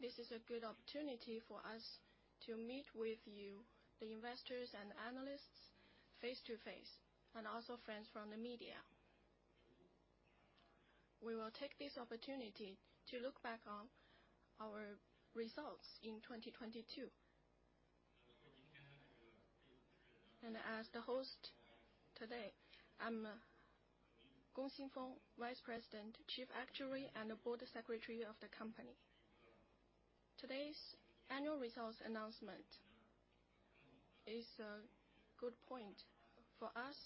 This is a good opportunity for us to meet with you, the investors and analysts, face-to-face, and also friends from the media. We will take this opportunity to look back on our results in 2022. As the host today, I'm Gong Xingfeng, Vice President, Chief Actuary and Board Secretary of the company. Today's annual results announcement is a good point for us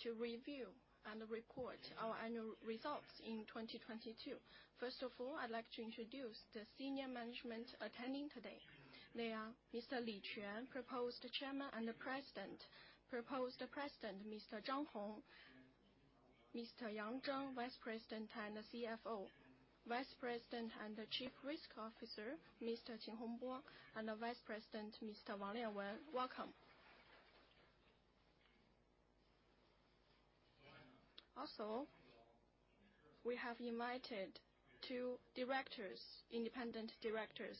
to review and report our annual results in 2022. First of all, I'd like to introduce the senior management attending today. They are Mr. Li Quan, Proposed Chairman and President. Proposed President, Mr. Zhang Hong. Mr. Yang Zheng, Vice President and CFO. Vice President and Chief Risk Officer, Mr. Qin Hongbo, and Vice President, Mr. Wang Lianwen. Welcome. Also, we have invited two directors, independent directors,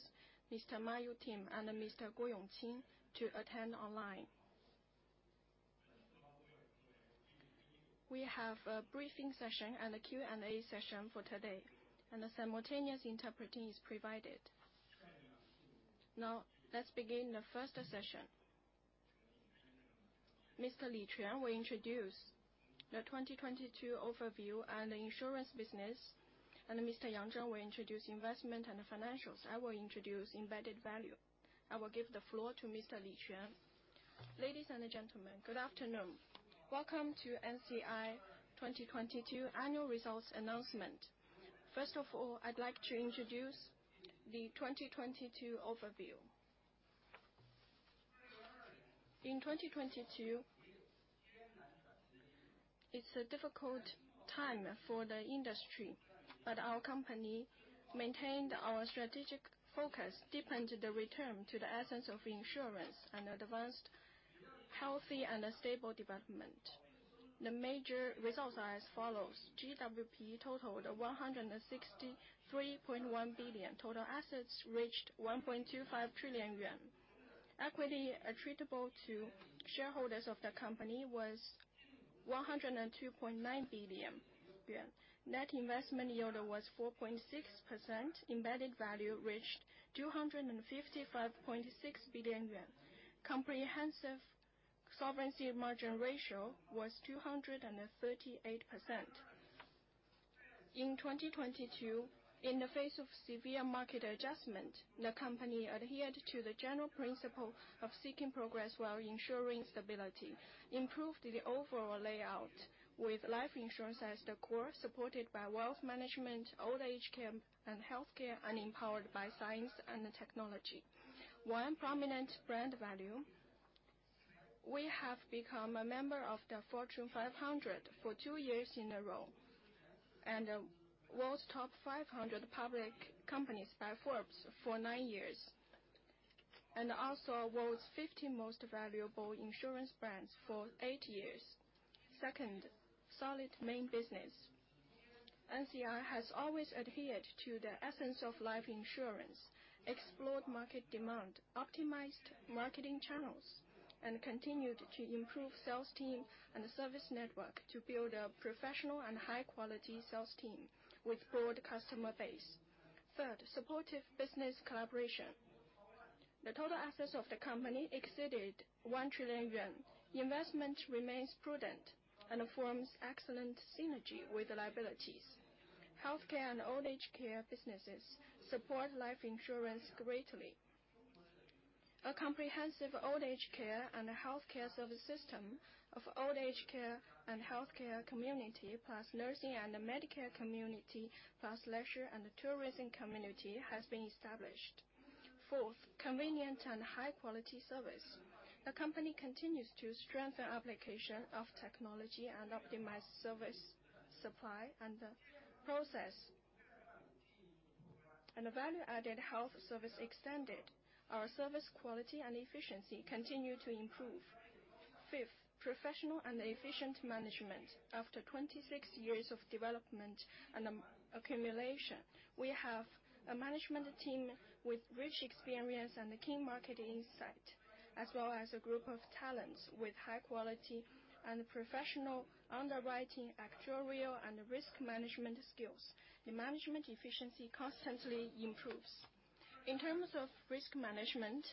Mr. Ma Youtian and Mr. Guo Yongqing, to attend online. We have a briefing session and a Q&A session for today, a simultaneous interpreting is provided. Let's begin the first session. Mr. Li Quan will introduce the 2022 overview and the insurance business, Mr. Yang Zheng will introduce investment and financials. I will introduce embedded value. I will give the floor to Mr. Li Quan. Ladies and gentlemen, good afternoon. Welcome to NCI 2022 annual results announcement. First of all, I'd like to introduce the 2022 overview. In 2022, it's a difficult time for the industry, our company maintained our strategic focus, deepened the return to the essence of insurance, advanced healthy and stable development. The major results are as follows: GWP totaled 163.1 billion. Total assets reached 1.25 trillion yuan. Equity attributable to shareholders of the company was 102.9 billion yuan. Net investment yield was 4.6%. Embedded value reached 255.6 billion yuan. Comprehensive solvency margin ratio was 238%. In 2022, in the face of severe market adjustment, the company adhered to the general principle of seeking progress while ensuring stability, improved the overall layout with life insurance as the core, supported by wealth management, old age care, and healthcare, and empowered by science and technology. One prominent brand value, we have become a member of the Fortune 500 for two years in a row, and World's top 500 public companies by Forbes for nine years, and also World's 50 most valuable insurance brands for eight years. Second, solid main business. NCI has always adhered to the essence of life insurance, explored market demand, optimized marketing channels, and continued to improve sales team and service network to build a professional and high-quality sales team with broad customer base. Third, supportive business collaboration. The total assets of the company exceeded 1 trillion yuan. Investment remains prudent and forms excellent synergy with liabilities. Healthcare and old age care businesses support life insurance greatly. A comprehensive old age care and healthcare service system of old age care and healthcare community, plus nursing and the medical community, plus leisure and tourism community has been established. Fourth, convenient and high-quality service. The company continues to strengthen application of technology and optimize service supply and process. The value-added health service extended. Our service quality and efficiency continue to improve. Fifth, professional and efficient management. After 26 years of development and accumulation, we have a management team with rich experience and a keen market insight, as well as a group of talents with high quality and professional underwriting, actuarial, and risk management skills. The management efficiency constantly improves. In terms of risk management,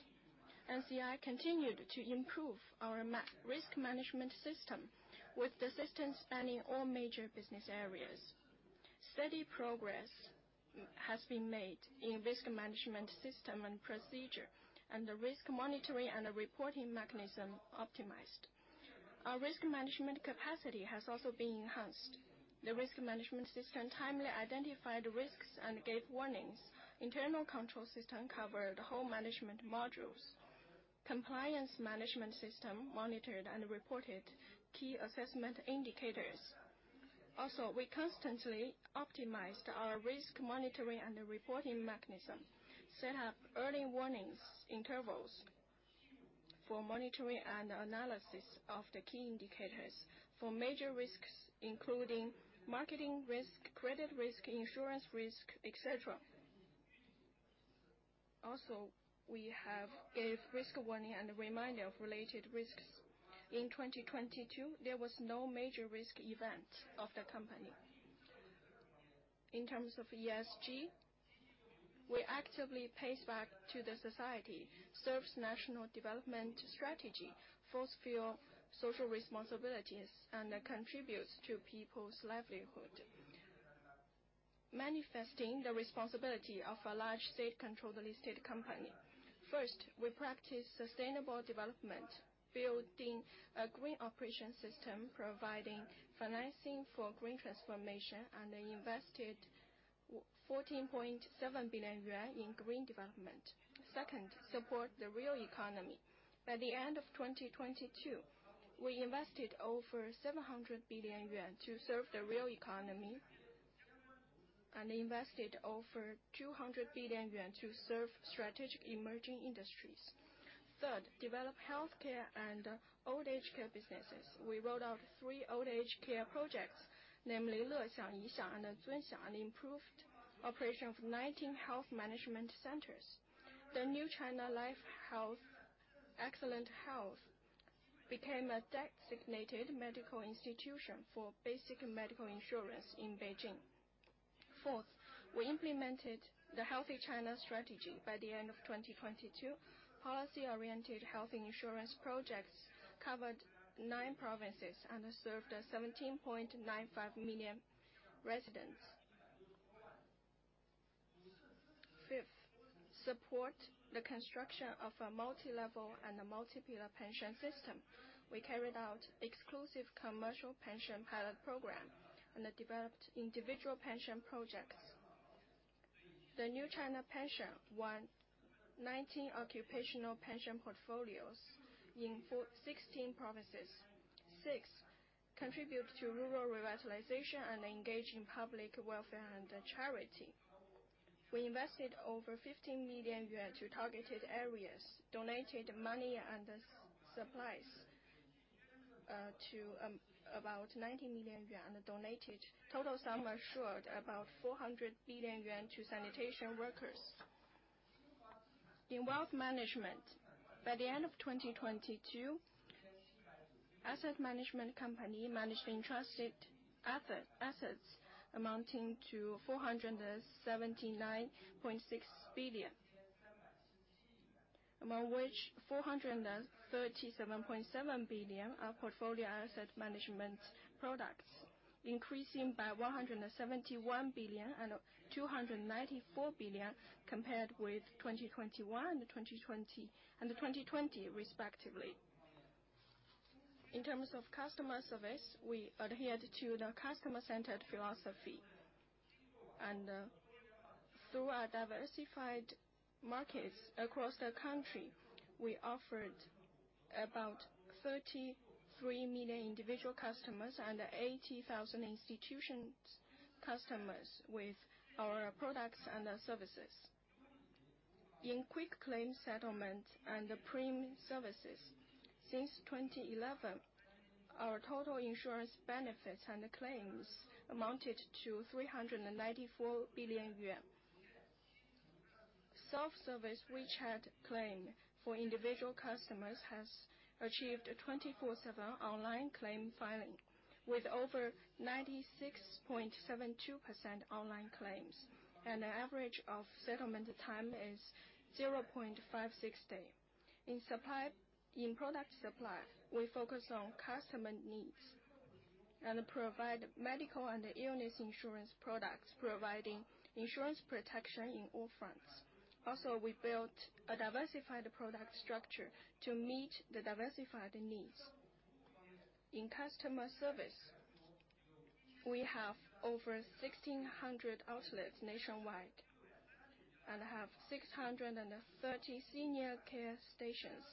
NCI continued to improve our risk management system, with the system spanning all major business areas. Steady progress has been made in risk management system and procedure, the risk monitoring and the reporting mechanism optimized. Our risk management capacity has also been enhanced. The risk management system timely identified risks and gave warnings. Internal control system covered all management modules. Compliance management system monitored and reported key assessment indicators. We constantly optimized our risk monitoring and the reporting mechanism, set up early warnings intervals. For monitoring and analysis of the key indicators for major risks, including marketing risk, credit risk, insurance risk, et cetera. We have a risk warning and a reminder of related risks. In 2022, there was no major risk event of the company. In terms of ESG, we actively pace back to the society, serves national development strategy, fulfills few social responsibilities, and contributes to people's livelihood. Manifesting the responsibility of a large state-controlled listed company. First, we practice sustainable development, building a green operation system, providing financing for green transformation, and invested 14.7 billion yuan in green development. Second, support the real economy. By the end of 2022, we invested over 700 billion yuan to serve the real economy, invested over 200 billion yuan to serve strategic emerging industries. Third, develop healthcare and old age care businesses. We rolled out three old age care projects, namely, and improved operation of 19 health management centers. The New China Life Health Excellent Health became a designated medical institution for basic medical insurance in Beijing. Fourth, we implemented the Healthy China strategy. By the end of 2022, policy-oriented health insurance projects covered nine provinces and served 17.95 million residents. Fifth, support the construction of a multilevel and a multi-pillar pension system. We carried out exclusive commercial pension pilot program and developed individual pension projects. The New China Pension won 19 occupational pension portfolios in 16 provinces. Six, contribute to rural revitalization and engage in public welfare and charity. We invested over 15 million yuan to targeted areas, donated money and supplies to about 90 million yuan and donated total sum assured about 400 billion yuan to sanitation workers. In wealth management, by the end of 2022, asset management company managed entrusted assets amounting to 479.6 billion. Among which 437.7 billion are portfolio asset management products, increasing by 171 billion and 294 billion compared with 2021 and 2020 respectively. In terms of customer service, we adhered to the customer-centered philosophy. Through our diversified markets across the country, we offered about 33 million individual customers and 80,000 institutions customers with our products and our services. In quick claim settlement and premium services, since 2011, our total insurance benefits and claims amounted to 394 billion yuan. Self-service WeChat claim for individual customers has achieved a 24/7 online claim filing, with over 96.72% online claims, and an average of settlement time is 0.56 day. In product supply, we focus on customer needs and provide medical and critical illness insurance products, providing insurance protection in all fronts. We built a diversified product structure to meet the diversified needs. In customer service, we have over 1,600 outlets nationwide and have 630 senior care stations.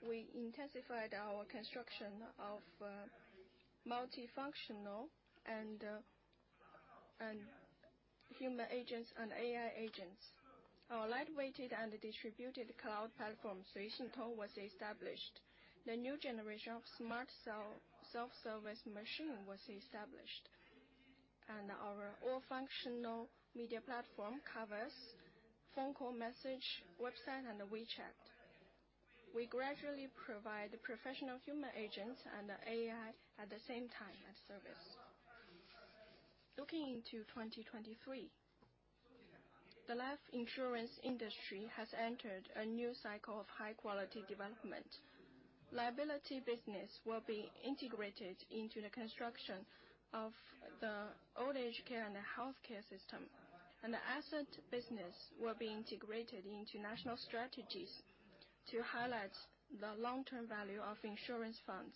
We intensified our construction of multifunctional and human agents and AI agents. Our light-weighted and distributed cloud platform was established. The new generation of smart self-service machine was established. Our all functional media platform covers phone call, message, website, and WeChat. We gradually provide professional human agents and AI at the same time at service. Looking into 2023, the life insurance industry has entered a new cycle of high-quality development. Liability business will be integrated into the construction of the old age care and the healthcare system. The asset business will be integrated into national strategies to highlight the long-term value of insurance funds.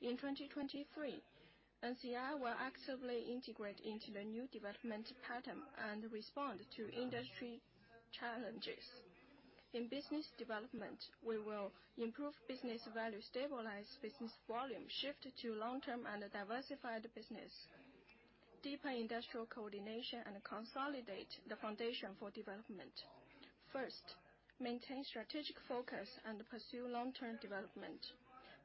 In 2023, NCI will actively integrate into the new development pattern and respond to industry challenges. In business development, we will improve business value, stabilize business volume, shift to long-term and diversified business, deepen industrial coordination, and consolidate the foundation for development. First, maintain strategic focus and pursue long-term development.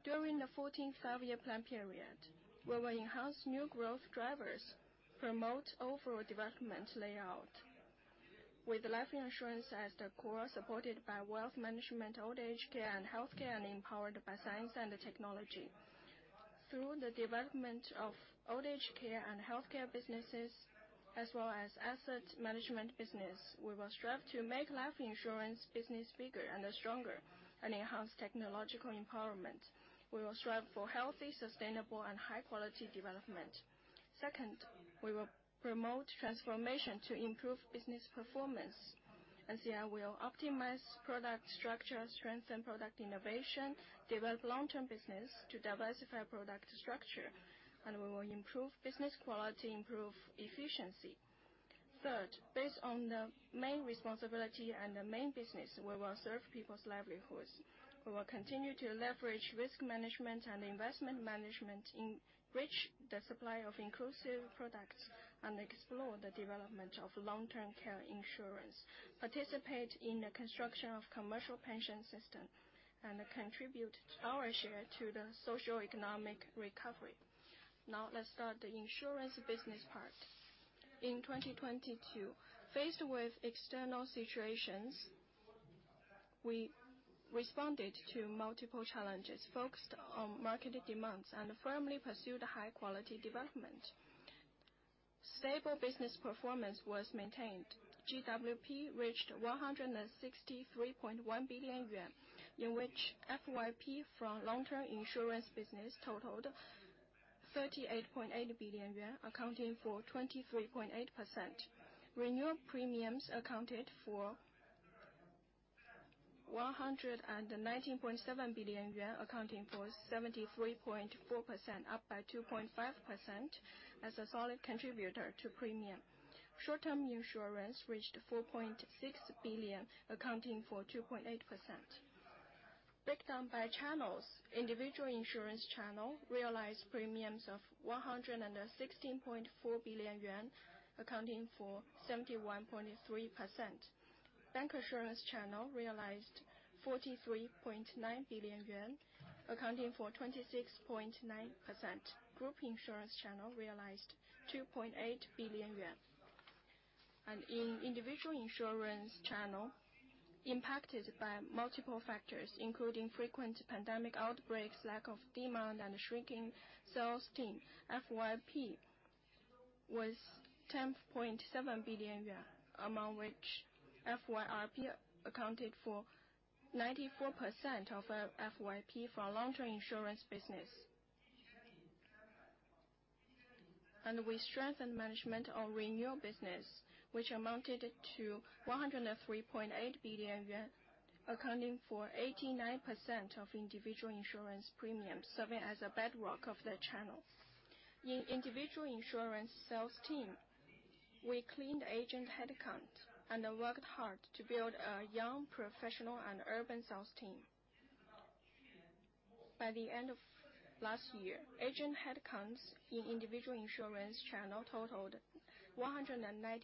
During the 14th Five-Year Plan period, we will enhance new growth drivers, promote overall development layout. With life insurance as the core, supported by wealth management, old age care, and healthcare, and empowered by science and technology. Through the development of old age care and healthcare businesses, as well as asset management business, we will strive to make life insurance business bigger and stronger and enhance technological empowerment. We will strive for healthy, sustainable and high-quality development. Second, we will promote transformation to improve business performance. As we are, we'll optimize product structure, strengthen product innovation, develop long-term business to diversify product structure, and we will improve business quality, improve efficiency. Third, based on the main responsibility and the main business, we will serve people's livelihoods. We will continue to leverage risk management and investment management, enrich the supply of inclusive products, and explore the development of Long-Term Care Insurance, participate in the construction of commercial pension system, and contribute our share to the socioeconomic recovery. Now let's start the insurance business part. In 2022, faced with external situations, we responded to multiple challenges, focused on market demands, and firmly pursued high-quality development. Stable business performance was maintained. GWP reached 163.1 billion yuan, in which FYP from long-term insurance business totaled 38.8 billion yuan, accounting for 23.8%. Renewal premiums accounted for CNY 119.7 billion, accounting for 73.4%, up by 2.5% as a solid contributor to premium. Short-term insurance reached 4.6 billion, accounting for 2.8%. Broken down by channels, individual insurance channel realized premiums of 116.4 billion yuan, accounting for 71.3%. Bank insurance channel realized 43.9 billion yuan, accounting for 26.9%. Group insurance channel realized 2.8 billion yuan. In individual insurance channel, impacted by multiple factors, including frequent pandemic outbreaks, lack of demand, and shrinking sales team, FYP was 10.7 billion yuan, among which FYRP accounted for 94% of FYP for our long-term insurance business. We strengthened management of renewal business, which amounted to 103.8 billion yuan, accounting for 89% of individual insurance premiums, serving as a bedrock of the channels. In individual insurance sales team, we cleaned agent headcount and then worked hard to build a young, professional and urban sales team. By the end of last year, agent headcounts in individual insurance channel totaled 197,000.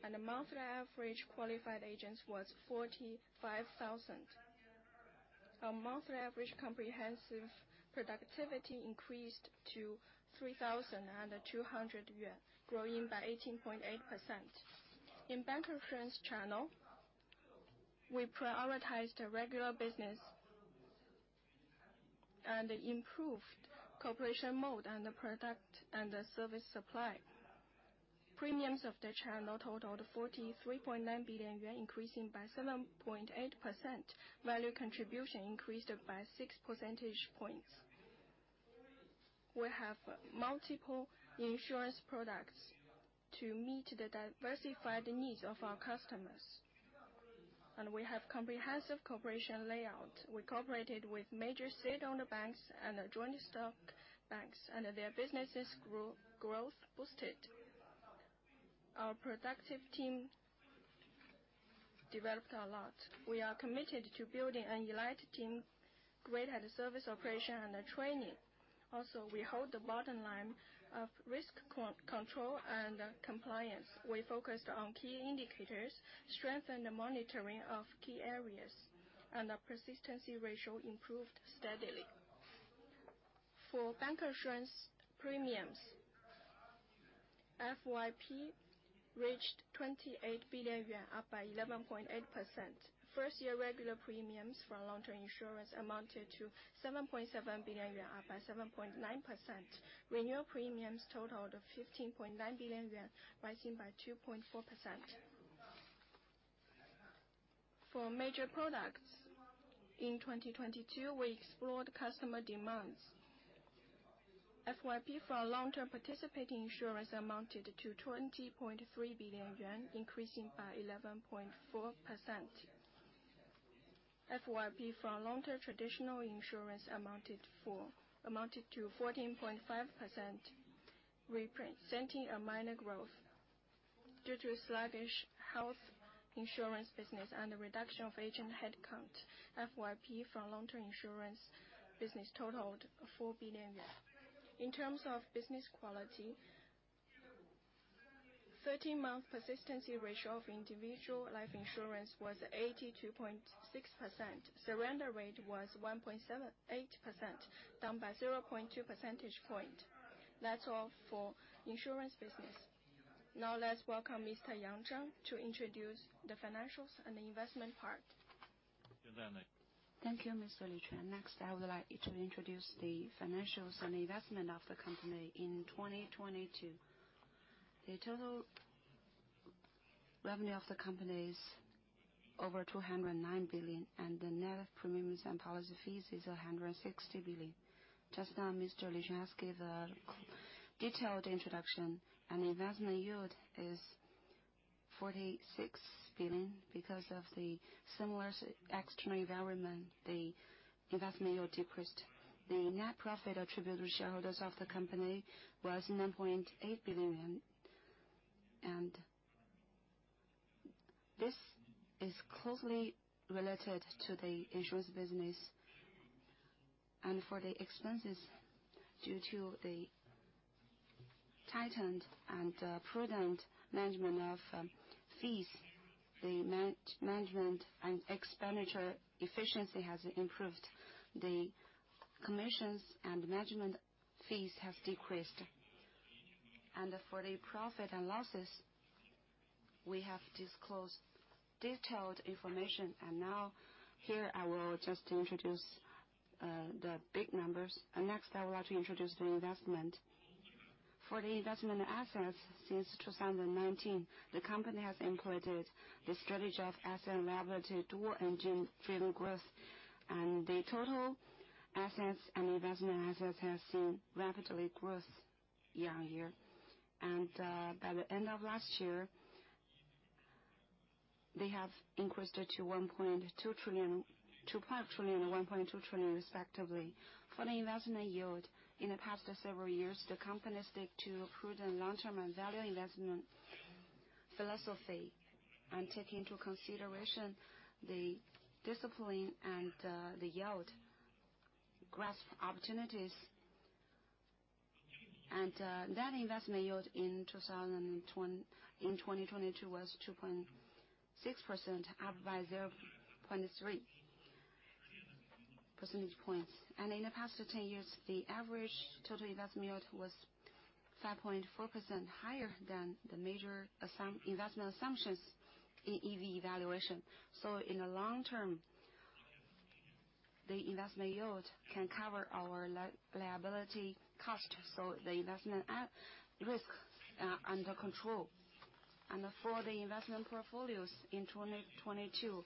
The monthly average qualified agents was 45,000. Our monthly average comprehensive productivity increased to 3,200 yuan, growing by 18.8%. In bank insurance channel, we prioritized our regular business and improved cooperation mode and the product and the service supply. Premiums of the channel totaled 43.9 billion yuan, increasing by 7.8%. Value contribution increased by 6 percentage points. We have multiple insurance products to meet the diversified needs of our customers. We have comprehensive cooperation layout. We cooperated with major state-owner banks and joint stock banks, and their business' growth boosted. Our productive team developed a lot. We are committed to building an elite team, great at service operation and training. We hold the bottom line of risk control and compliance. We focused on key indicators, strengthened the monitoring of key areas, and our persistency ratio improved steadily. For bank insurance premiums, FYP reached 28 billion yuan, up by 11.8%. First year regular premiums for our long-term insurance amounted to 7.7 billion yuan, up by 7.9%. Renewal premiums totaled 15.9 billion yuan, rising by 2.4%. For major products, in 2022, we explored customer demands. FYP for our long-term participating insurance amounted to 20.3 billion yuan, increasing by 11.4%. FYP for long-term traditional insurance amounted to 14.5%, representing a minor growth. Due to sluggish Health insurance business and the reduction of agent headcount, FYP for long-term insurance business totaled 4 billion yuan. In terms of business quality, 13-month persistency ratio of individual life insurance was 82.6%. Surrender rate was 1.78%, down by 0.2 percentage point. That's all for insurance business. Now, let's welcome Mr. Yang Zheng to introduce the financials and the investment part. Thank you, Mr. Li Quan. I would like to introduce the financials and the investment of the company in 2022. The total revenue of the company is over 209 billion, and the net premiums and policy fees is 160 billion. Just now, Mr. Li Quan has gave a detailed introduction. Investment yield is 46 billion. Because of the similar external environment, the investment yield decreased. The net profit attribute to shareholders of the company was 9.8 billion. This is closely related to the insurance business. For the expenses, due to the tightened and prudent management of fees, the management and expenditure efficiency has improved. The commissions and management fees have decreased. For the profit and losses, we have disclosed detailed information. Now, here, I will just introduce the big numbers. Next, I would like to introduce the investment. For the investment assets, since 2019, the company has employed the strategy of asset-liability dual-engine driven growth. The total assets and investment assets has seen rapidly growth year on year. By the end of last year, they have increased to 1.2 trillion, 2 trillion, and 1.2 trillion respectively. For the investment yield, in the past several years, the company stick to prudent long-term and value investment philosophy, take into consideration the discipline and the yield, grasp opportunities. That investment yield in 2022 was 2.6%, up by 0.3 percentage points. In the past 10 years, the average total investment yield was 5.4% higher than the major investment assumptions in EV valuation. So in the long term, the investment yield can cover our liability cost, so the investment at risk under control. For the investment portfolios in 2022,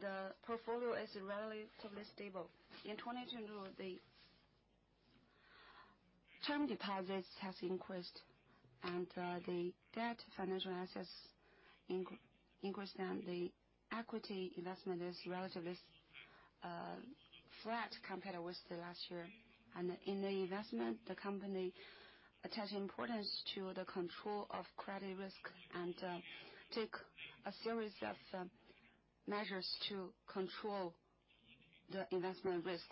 the portfolio is relatively stable. In 2022, the term deposits has increased, and the debt financial assets increased, and the equity investment is relatively flat compared with the last year. In the investment, the company attach importance to the control of credit risk and take a series of measures to control the investment risks.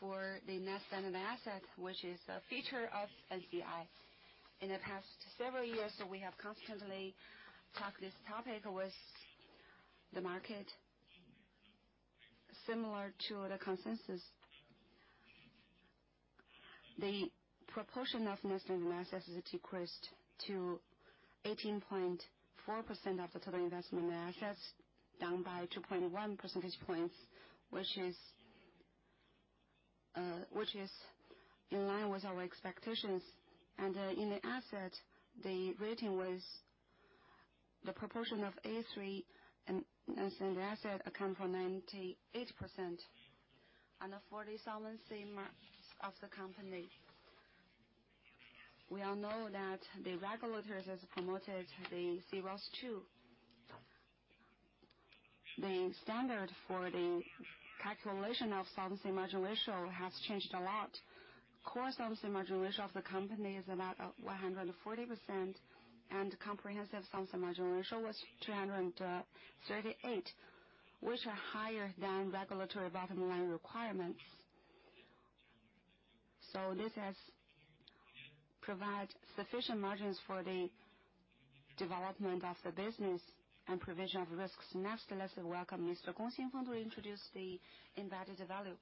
For the net standardized assets, which is a feature of NCI. In the past several years, we have constantly talked this topic with the market, similar to the consensus. The proportion of net standardized assets decreased to 18.4% of the total investment assets, down by 2.1 percentage points, which is in line with our expectations. In the asset, the rating was the proportion of A3 and net standardized assets account for 98%. For the solvency mar- of the company, we all know that the regulators has promoted the C-ROSS II. The standard for the calculation of solvency margin ratio has changed a lot. Core solvency margin ratio of the company is about 140%, and comprehensive solvency margin ratio was 238%, which are higher than regulatory bottom line requirements. This has provide sufficient margins for the development of the business and provision of risks. Next, let's welcome Mr. Gong Xingfeng to introduce the embedded value.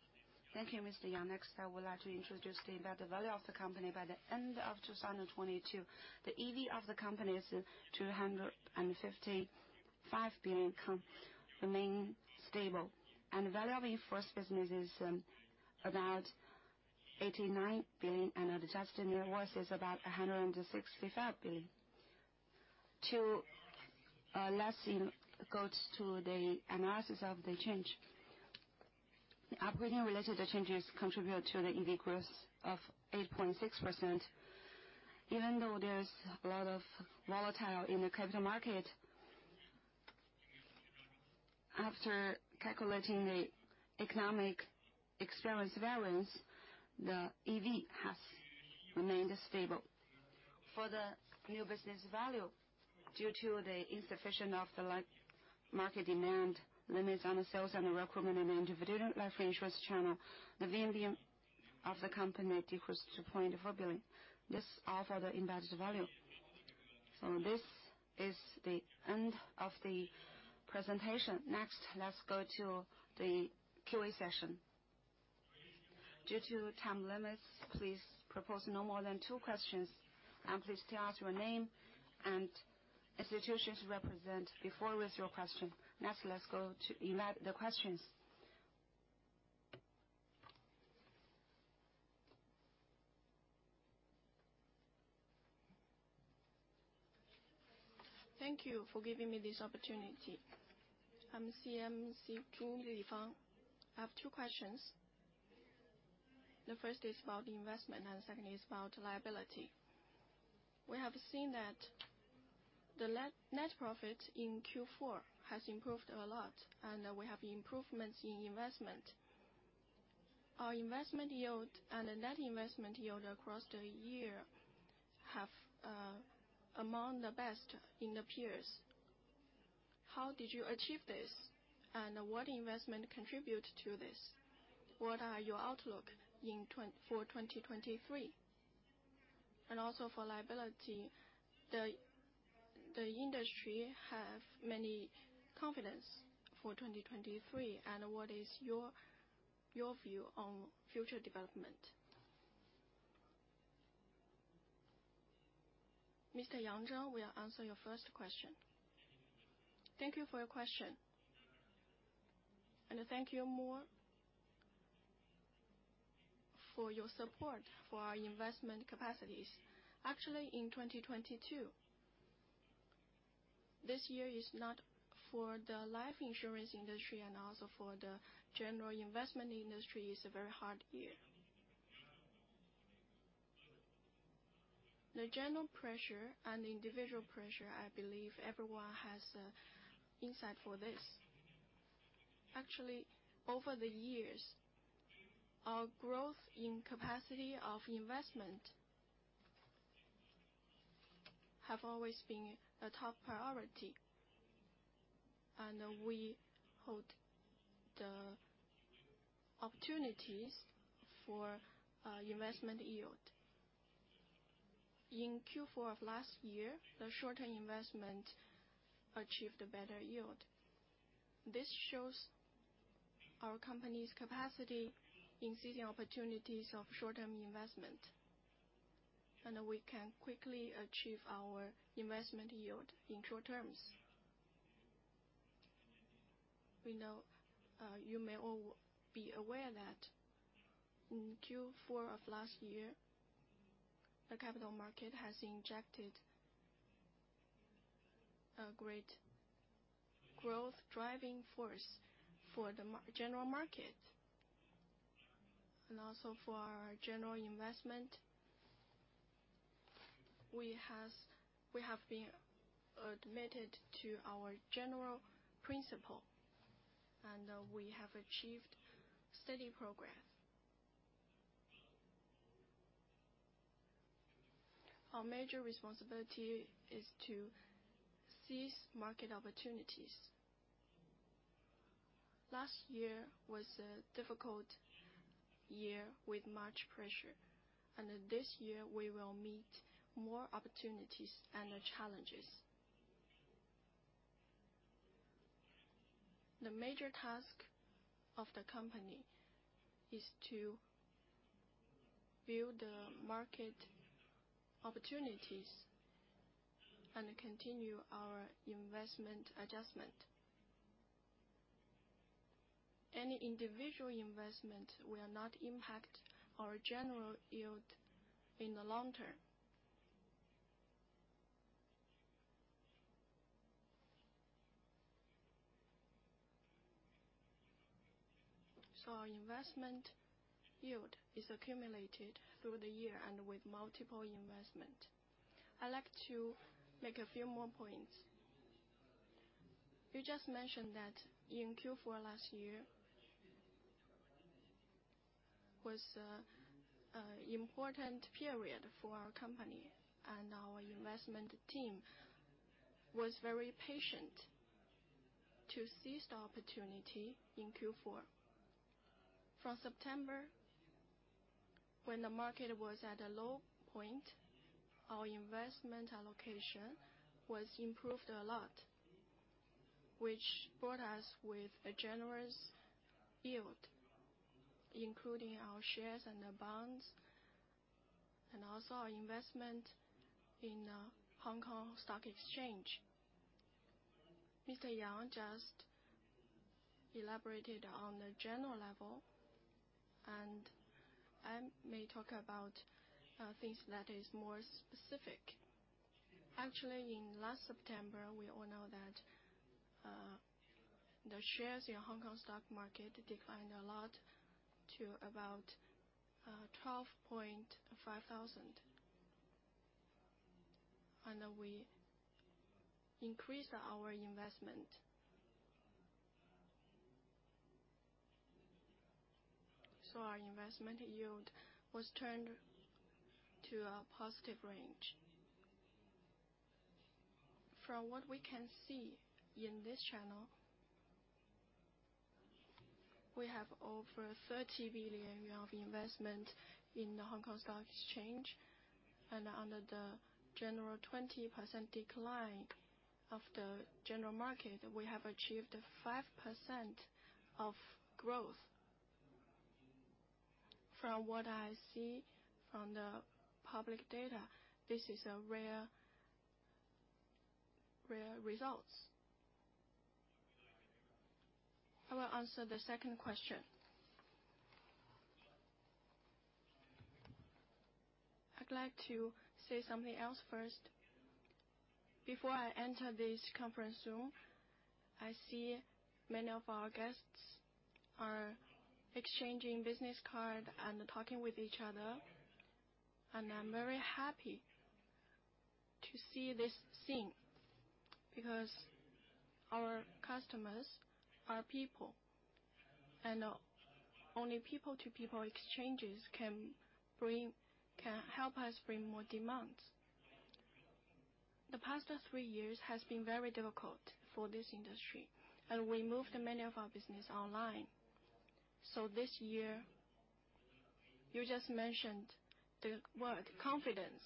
Thank you, Mr. Next, I would like to introduce the embedded value of the company. By the end of 2022, the EV of the company is 255 billion, remain stable. Value of the first business is about 89 billion, and the adjusted net worth is about 165 billion. To last year goes to the analysis of the change. The operating-related changes contribute to the EV growth of 8.6%. Even though there's a lot of volatile in the capital market. After calculating the economic experience variance, the EV has remained stable. For the new business value, due to the insufficient of the market demand limits on the sales and the recruitment and individual life insurance channel, the VNB of the company decreased to CNY 0.4 billion. This all for the embedded value. This is the end of the presentation. Next, let's go to the Q&A session. Due to time limits, please propose no more than two questions, and please state your name and institution to represent before raise your question. Next, let's go to Eli, the questions. Thank you for giving me this opportunity. I'm CMS Chu Lifang. I have two questions. The first is about investment and the second is about liability. We have seen that the net profit in Q4 has improved a lot. We have improvements in investment. Our investment yield and the net investment yield across the year have among the best in the peers. How did you achieve this? What investment contribute to this? What are your outlook for 2023? Also for liability, the industry have many confidence for 2023. What is your view on future development? Mr. Yang Zheng will answer your first question. Thank you for your question. Thank you more for your support for our investment capacities. Actually, in 2022, this year is not for the life insurance industry and also for the general investment industry is a very hard year. The general pressure and individual pressure, I believe everyone has an insight for this. Actually, over the years, our growth in capacity of investment have always been a top priority. We hold the opportunities for investment yield. In Q4 of last year, the short-term investment achieved a better yield. This shows our company's capacity in seizing opportunities of short-term investment. We can quickly achieve our investment yield in short terms. We know, you may all be aware that in Q4 of last year, the capital market has injected a great growth-driving force for the general market and also for our general investment. We have been admitted to our general principle, and we have achieved steady progress. Our major responsibility is to seize market opportunities. Last year was a difficult year with much pressure, and this year we will meet more opportunities and challenges. The major task of the company is to build the market opportunities and continue our investment adjustment. Any individual investment will not impact our general yield in the long term. Our investment yield is accumulated through the year and with multiple investment. I'd like to make a few more points. You just mentioned that in Q4 last year was a important period for our company, and our investment team was very patient to seize the opportunity in Q4. From September, when the market was at a low point, our investment allocation was improved a lot, which brought us with a generous yield, including our shares and the bonds, and also our investment in Hong Kong Stock Exchange. Mr. Yang just elaborated on the general level, I may talk about things that is more specific. In last September, we all know that the shares in Hong Kong stock market declined a lot to about 12,500. We increased our investment. Our investment yield was turned to a positive range. From what we can see in this channel, we have over 30 billion of investment in the Hong Kong Stock Exchange, and under the general 20% decline of the general market, we have achieved 5% of growth. From what I see from the public data, this is a rare result. I will answer the second question. I'd like to say something else first. Before I enter this conference room, I see many of our guests are exchanging business cards and talking with each other. I'm very happy to see this scene because our customers are people, and only people-to-people exchanges can help us bring more demands. The past three years have been very difficult for this industry. We moved many of our business online. This year, you just mentioned the word confidence.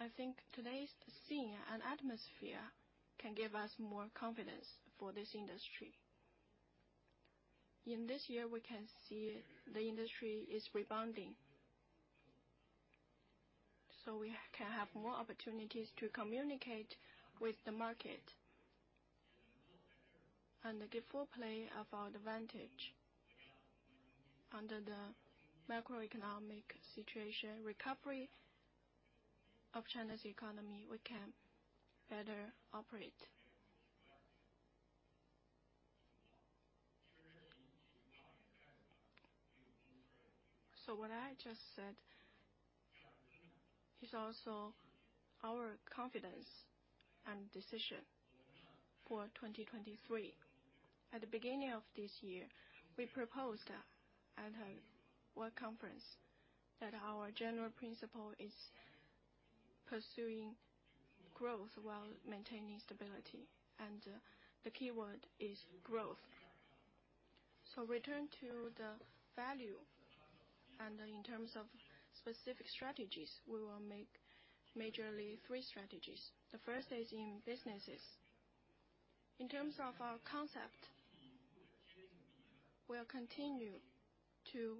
I think today's scene and atmosphere can give us more confidence for this industry. In this year, we can see the industry is rebounding. We can have more opportunities to communicate with the market and give full play of our advantages. Under the macroeconomic situation recovery of China's economy, we can better operate. What I just said is also our confidence and decision for 2023. At the beginning of this year, we proposed at a work conference that our general principle is pursuing growth while maintaining stability, and the keyword is growth. Return to the value, and in terms of specific strategies, we will make majorly three strategies. The first is in businesses. In terms of our concept, we'll continue to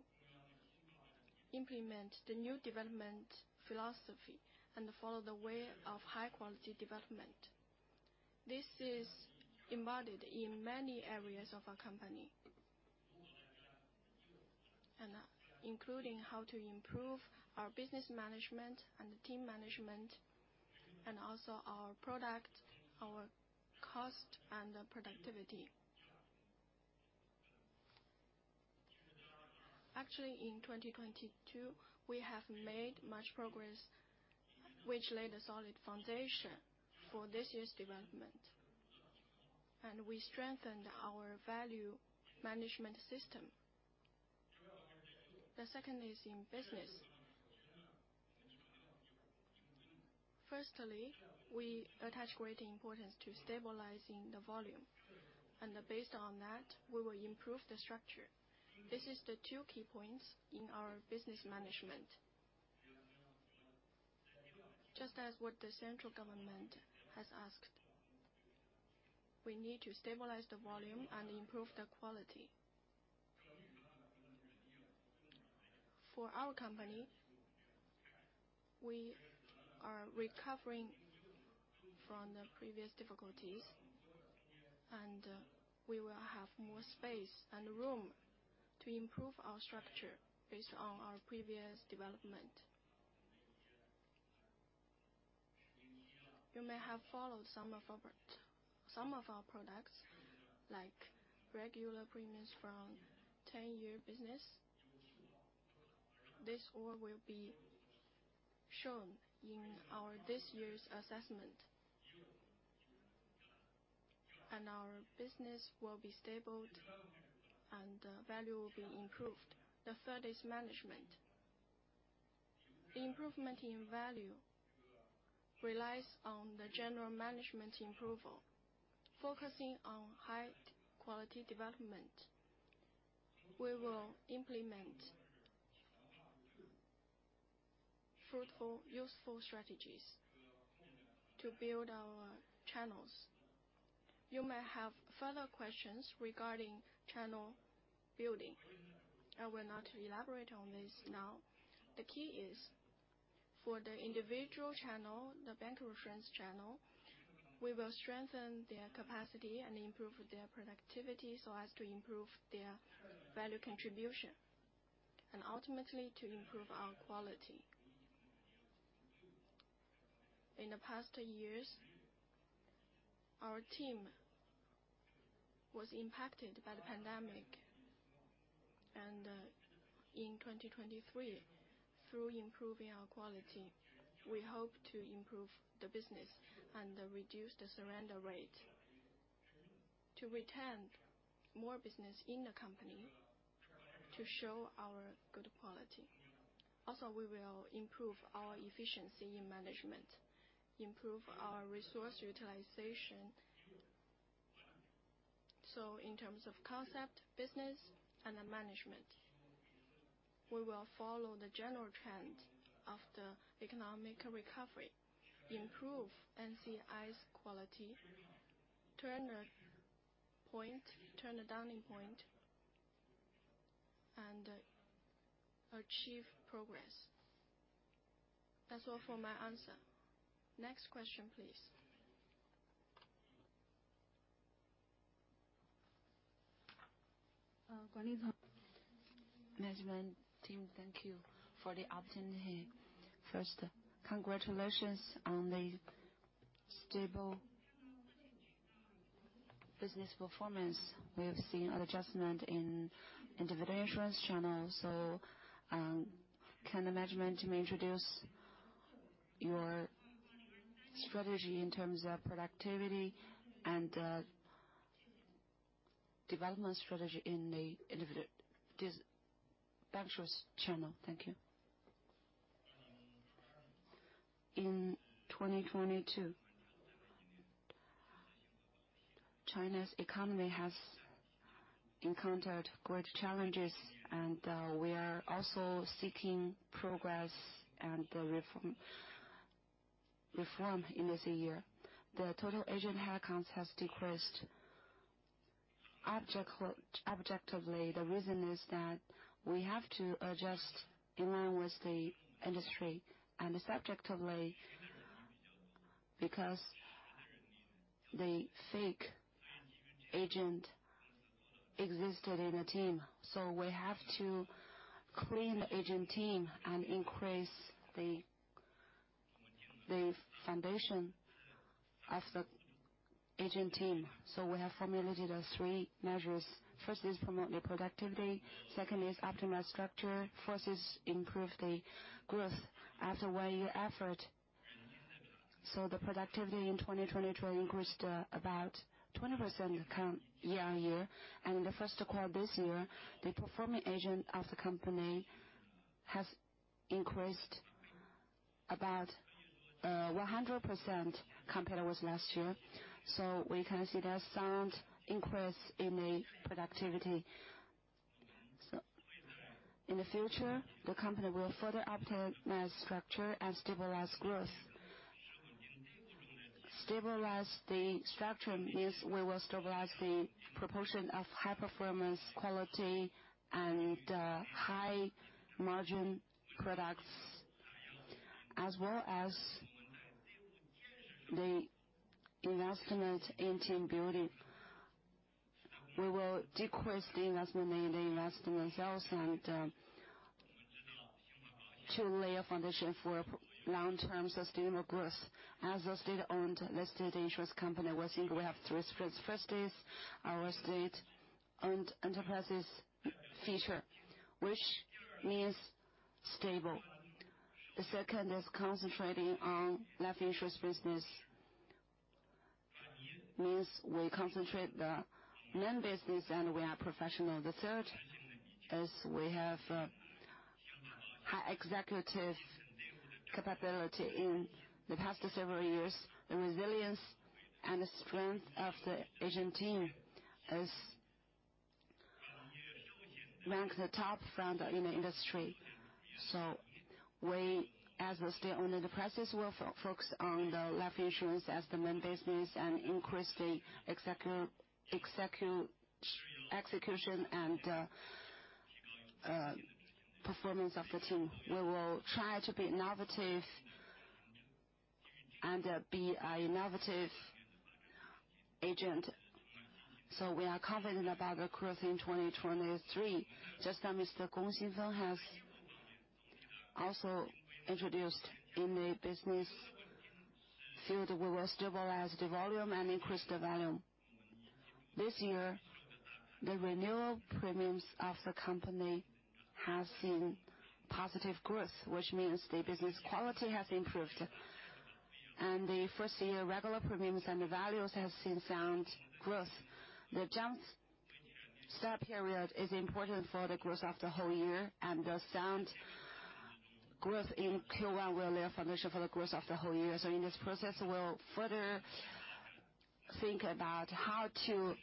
implement the new development philosophy and follow the way of high-quality development. This is embodied in many areas of our company, and including how to improve our business management and team management, and also our product, our cost, and productivity. Actually, in 2022, we have made much progress, which laid a solid foundation for this year's development, and we strengthened our value management system. The second is in business. Firstly, we attach great importance to stabilizing the volume, and based on that, we will improve the structure. This is the two key points in our business management. Just as what the central government has asked, we need to stabilize the volume and improve the quality. For our company, we are recovering from the previous difficulties, and we will have more space and room to improve our structure based on our previous development. You may have followed some of our some of our products, like regular premiums from 10-year business. This all will be shown in our this year's assessment. Our business will be stabled and value will be improved. The third is management. Improvement in value relies on the general management improvement. Focusing on high-quality development, we will implement fruitful, useful strategies to build our channels. You may have further questions regarding channel building. I will not elaborate on this now. The key is for the individual channel, the bank insurance channel, we will strengthen their capacity and improve their productivity so as to improve their value contribution. Ultimately, to improve our quality. In the past years, our team was impacted by the pandemic. In 2023, through improving our quality, we hope to improve the business and reduce the surrender rate to retain more business in the company to show our good quality. We will improve our efficiency in management, improve our resource utilization. In terms of concept, business, and the management, we will follow the general trend of the economic recovery, improve NCI's quality, turn a turning point, and achieve progress. That's all for my answer. Next question, please. Management team, thank you for the opportunity. First, congratulations on the stable business performance. We have seen an adjustment in individual insurance channels. Can the management team introduce your strategy in terms of productivity and development strategy in this bank insurance channel? Thank you. In 2022, China's economy has encountered great challenges, we are also seeking progress and reform in this year. The total agent headcounts has decreased. Objectively, the reason is that we have to adjust in line with the industry, subjectively, because the fake agent existed in the team, we have to clean the agent team and increase the foundation of the agent team. We have formulated the three measures. First, is promote the productivity, second, is optimize structure, first, is improve the growth as a way effort. The productivity in 2022 increased about 20% year-on-year. In the first quarter this year, the performing agent of the company has increased about 100% compared with last year. We can see there's sound increase in the productivity. In the future, the company will further optimize structure and stabilize growth. Stabilize the structure means we will stabilize the proportion of high-performance quality and high-margin products, as well as the investment in team building. We will decrease the investment in the investment health and to lay a foundation for long-term sustainable growth. As a state-owned listed insurance company, we think we have three strengths. First is our state-owned enterprise's feature, which means stable. The second is concentrating on life insurance business. Means we concentrate the main business and we are professional. The third is we have high executive capability. In the past several years, the resilience and the strength of the agent team is ranked the top in the industry. We, as a state-owned enterprise, will focus on the life insurance as the main business and increase the execution and performance of the team. We will try to be innovative and be innovative agent. We are confident about the growth in 2023. Just now, Mr. Gong Xingfeng has also introduced in the business field, we will stabilize the volume and increase the value. This year, the renewal premiums of the company has seen positive growth, which means the business quality has improved. The first year regular premiums and the values has seen sound growth. The jump start period is important for the growth of the whole year, and the sound growth in Q1 will lay a foundation for the growth of the whole year. In this process, we'll further think about how to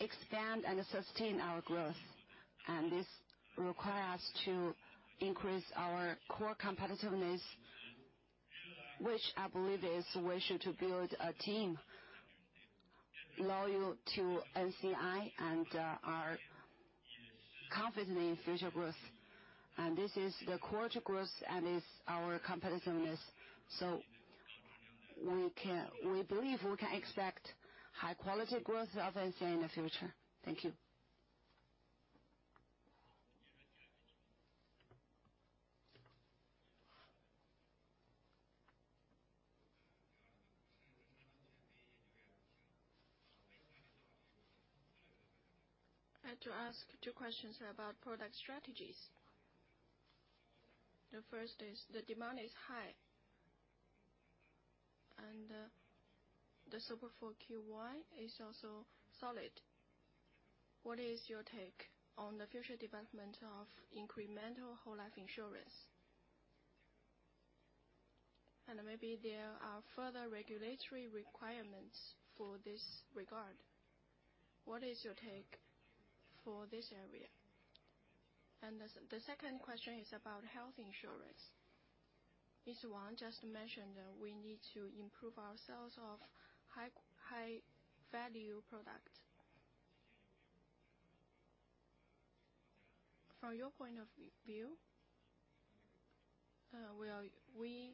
expand and sustain our growth. This require us to increase our core competitiveness, which I believe is we should to build a team loyal to NCI and are confident in future growth. This is the core to growth and is our competitiveness. We believe we can expect high quality growth of NCI in the future. Thank you. I have to ask two questions about product strategies. The first is, the demand is high, and the support for QY is also solid. What is your take on the future development of incremental whole life insurance? Maybe there are further regulatory requirements for this regard. What is your take for this area? The second question is about health insurance. Mr. Yang just mentioned that we need to improve ourselves of high value product. From your point of view, will we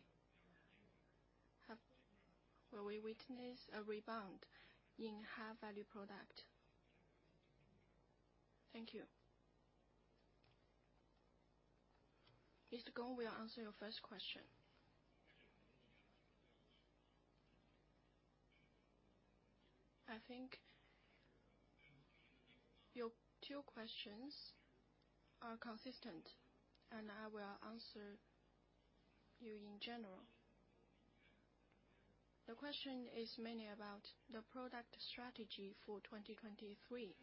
witness a rebound in high value product? Thank you. Mr. Gong will answer your first question. I think, Your two questions are consistent, and I will answer you in general. The question is mainly about the product strategy for 2023.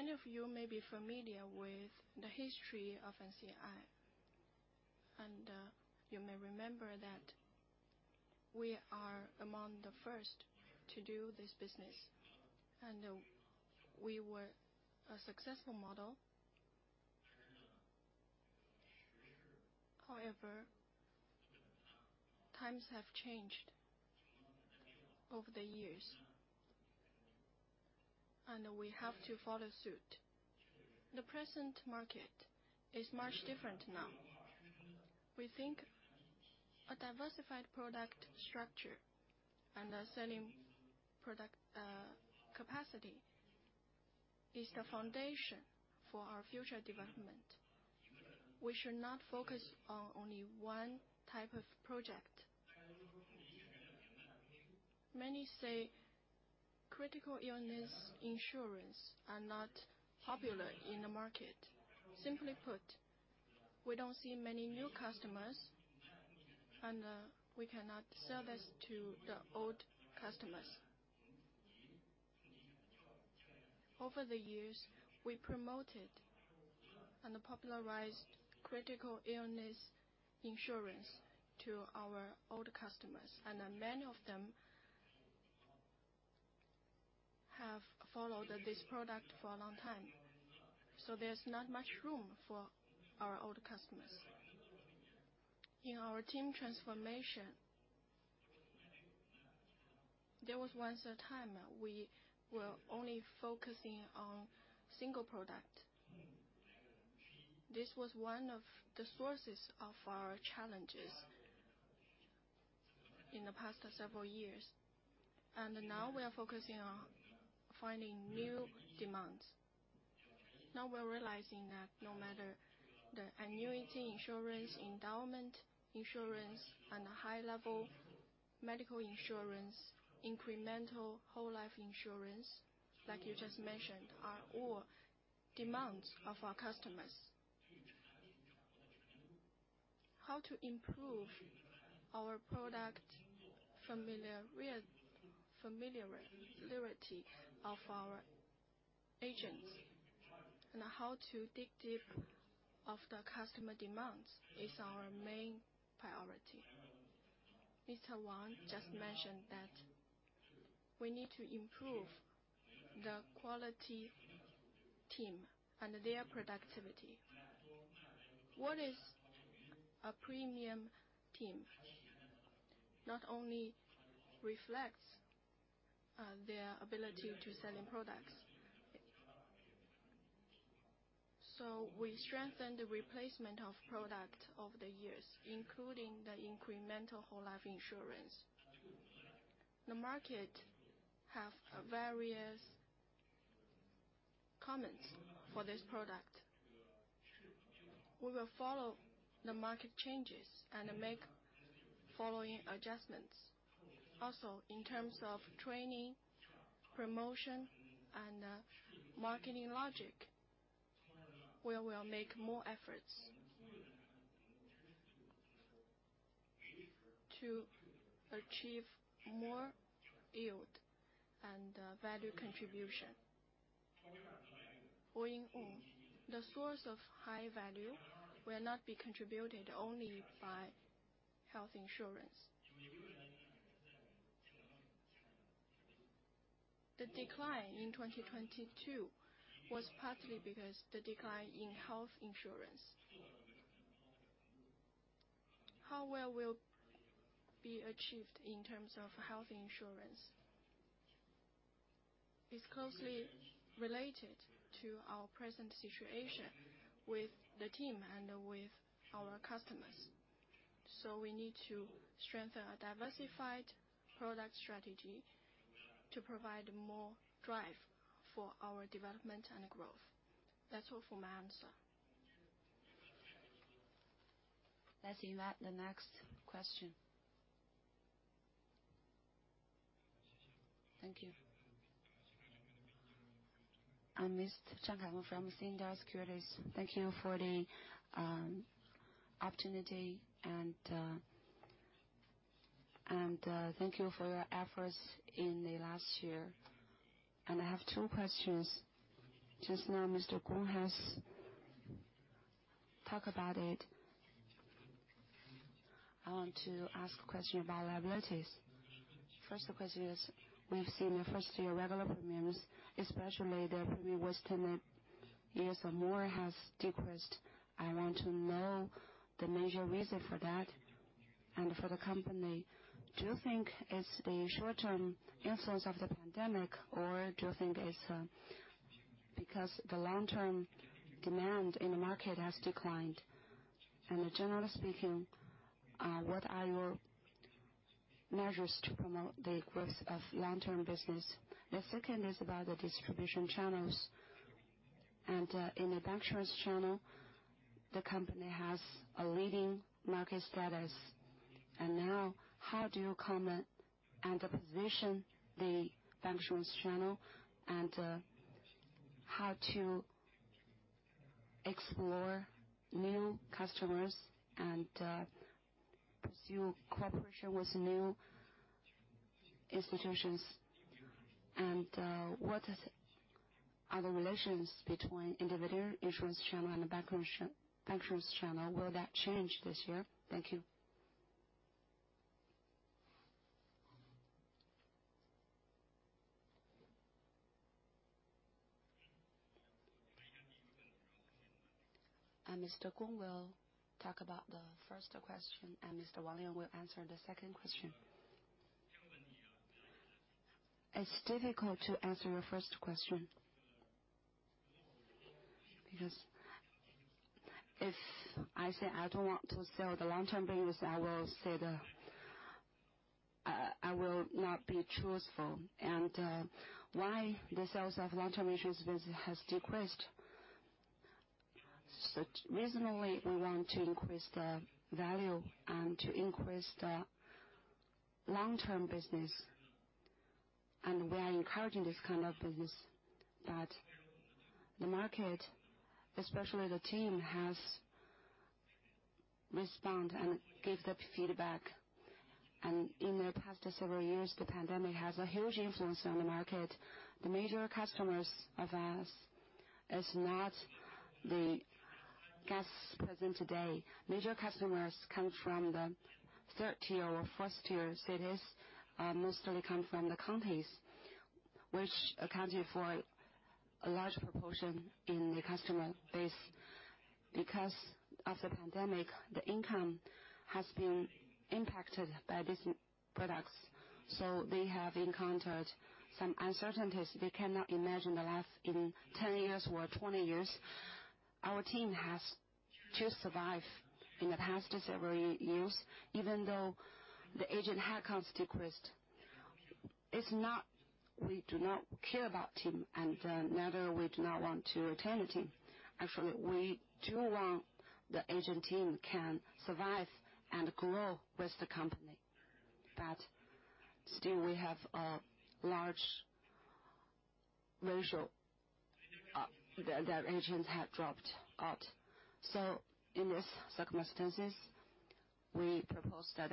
Many of you may be familiar with the history of NCI, and you may remember that we are among the first to do this business, and we were a successful model. However, times have changed over the years, and we have to follow suit. The present market is much different now. We think a diversified product structure and a selling product capacity is the foundation for our future development. We should not focus on only one type of project. Many say critical illness insurance are not popular in the market. Simply put, we don't see many new customers, and we cannot sell this to the old customers. Over the years, we promoted and popularized critical illness insurance to our old customers. Many of them have followed this product for a long time. There's not much room for our old customers. In our team transformation, there was once a time we were only focusing on single product. This was one of the sources of our challenges in the past several years. Now we are focusing on finding new demands. We're realizing that no matter the annuity insurance, endowment insurance and high level medical insurance, incremental whole life insurance, like you just mentioned, are all demands of our customers. How to improve our product familiarity of our agents and how to dig deep of the customer demands is our main priority. Mr. Wang just mentioned that we need to improve the quality team and their productivity. What is a premium team? Not only reflects their ability to selling products. We strengthen the replacement of product over the years, including the incremental whole life insurance. The market have various comments for this product. We will follow the market changes and make following adjustments. In terms of training, promotion and marketing logic, we will make more efforts to achieve more yield and value contribution. The source of high value will not be contributed only by health insurance. The decline in 2022 was partly because the decline in health insurance. How well will be achieved in terms of health insurance is closely related to our present situation with the team and with our customers. We need to strengthen a diversified product strategy to provide more drive for our development and growth. That's all for my answer. Let's invite the next question. Thank you. I'm Miss Zhang Hong from Industrial Securities. Thank you for the opportunity and thank you for your efforts in the last year. I have two questions. Just now, Mr. Gong has talk about it. I want to ask a question about liabilities. First question is, we've seen the first-year regular premiums, especially the premium with 10 years or more has decreased. I want to know the major reason for that and for the company. Do you think it's the short-term influence of the pandemic, or do you think it's because the long-term demand in the market has declined? Generally speaking, what are your measures to promote the growth of long-term business? The second is about the distribution channels. In the bank insurance channel, the company has a leading market status. Now, how do you comment and position the bank insurance channel, and how to explore new customers and pursue cooperation with new institutions? What are the relations between individual insurance channel and the bank insurance channel? Will that change this year? Thank you. Mr. Gong will talk about the first question, and Mr. Wang Lianwen will answer the second question. It's difficult to answer your first question. Because if I say I don't want to sell the long-term business, I will not be truthful. Why the sales of long-term insurance business has decreased? Reasonably, we want to increase the value and to increase the long-term business, and we are encouraging this kind of business that the market, especially the team, has responded and gives the feedback. In the past several years, the pandemic has a huge influence on the market. The major customers of us is not the guests present today. Major customers come from the third-tier or first-tier cities, mostly come from the counties, which accounted for a large proportion in the customer base. Because of the pandemic, the income has been impacted by these products. They have encountered some uncertainties they cannot imagine the last in 10 years or 20 years. Our team has just survived in the past several years, even though the agent headcounts decreased. It's not we do not care about team, and neither we do not want to retain the team. Actually, we do want the agent team can survive and grow with the company. Still, we have a large ratio that agents have dropped out. In these circumstances, we propose that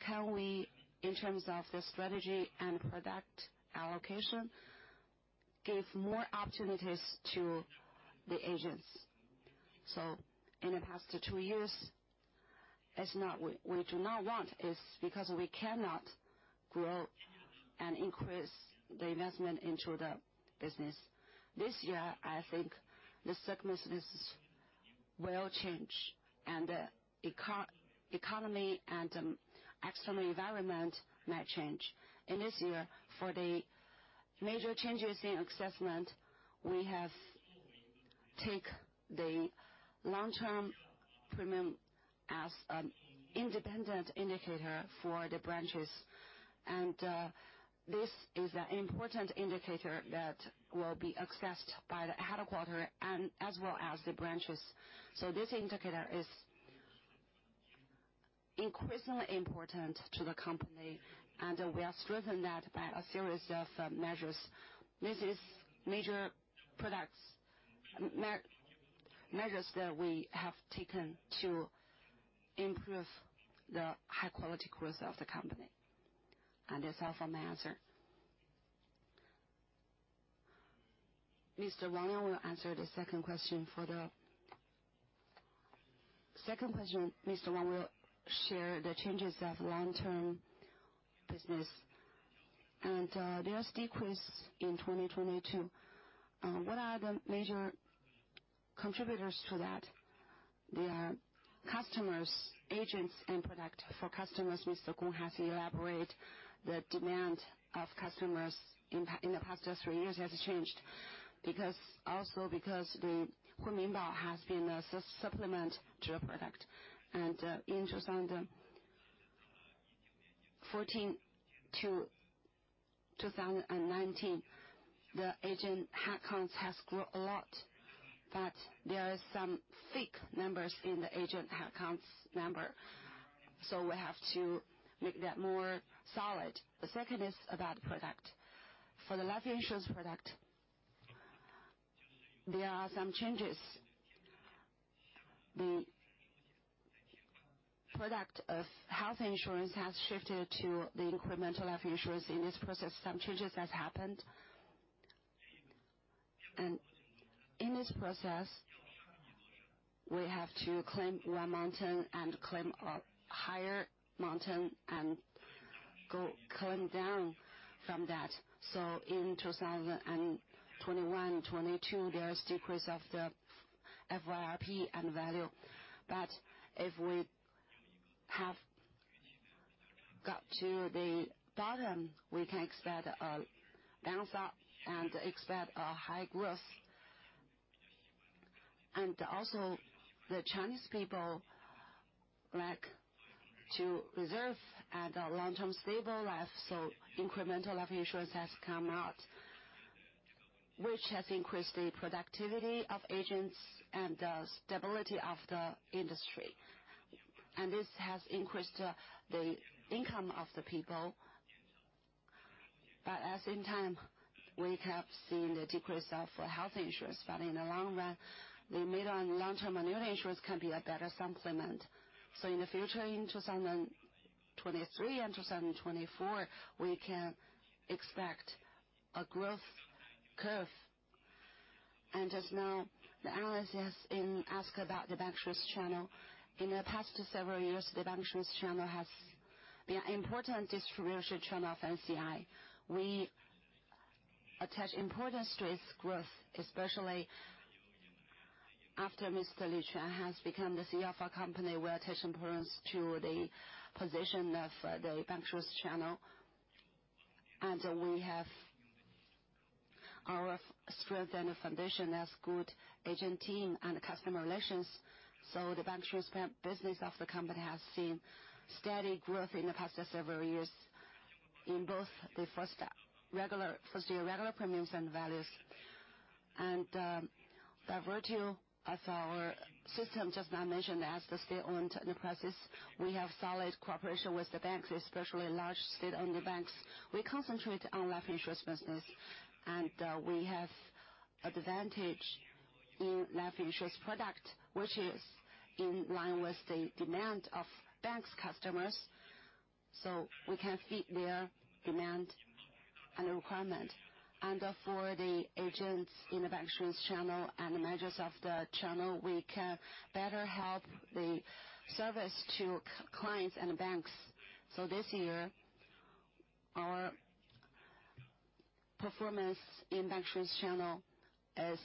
can we, in terms of the strategy and product allocation, give more opportunities to the agents. In the past two years, it's not we do not want is because we cannot grow and increase the investment into the business. This year, I think the circumstances will change and the economy and external environment might change. In this year, for the major changes in assessment, we have take the long-term premium as an independent indicator for the branches. This is an important indicator that will be assessed by the headquarter and as well as the branches. This indicator is increasingly important to the company, and we are strengthening that by a series of measures. This is major products measures that we have taken to improve the high quality growth of the company. That's all for my answer. Mr. Wang Lianwen will answer the second question. For the second question, Mr. Wang Lianwen will share the changes of long-term businessAnd, there's decrease in 2022. What are the major contributors to that? There are customers, agents and product. For customers, Mr. Gong has elaborate the demand of customers in the past three years has changed because also because the Huimin Bao has been a supplement to a product. In 2014 to 2019, the agent headcounts has grown a lot, but there are some fake numbers in the agent headcounts number, so we have to make that more solid. The second is about product. For the life insurance product, there are some changes. The product of health insurance has shifted to the incremental life insurance. In this process, some changes has happened. In this process, we have to climb one mountain and climb a higher mountain and climb down from that. In 2021, 2022, there is decrease of the FYRP and value. If we have got to the bottom, we can expect a bounce up and expect a high growth. Also the Chinese people like to reserve at a long-term stable life, so incremental life insurance has come out, which has increased the productivity of agents and the stability of the industry. This has increased the income of the people. At the same time, we have seen the decrease of health insurance. In the long run, the mid and long-term annuity insurance can be a better supplement. In the future, in 2023 and 2024, we can expect a growth curve. Just now, the analysis in ask about the bank insurance channel. In the past several years, the bank insurance channel has been an important distribution channel for NCI. We attach importance to its growth, especially after Mr. Liu Quan has become the CEO of our company, we attach importance to the position of the bank insurance channel. We have our strength and a foundation as good agent team and customer relations. The bank insurance business of the company has seen steady growth in the past several years in both the first year regular premiums and values. The virtue of our system, just now mentioned, as the state-owned enterprises, we have solid cooperation with the banks, especially large state-owned banks. We concentrate on life insurance business, we have advantage in life insurance product, which is in line with the demand of banks customers, we can fit their demand and requirement. For the agents in the bank insurance channel and the managers of the channel, we can better help the service to clients and banks. This year, our performance in bank insurance channel is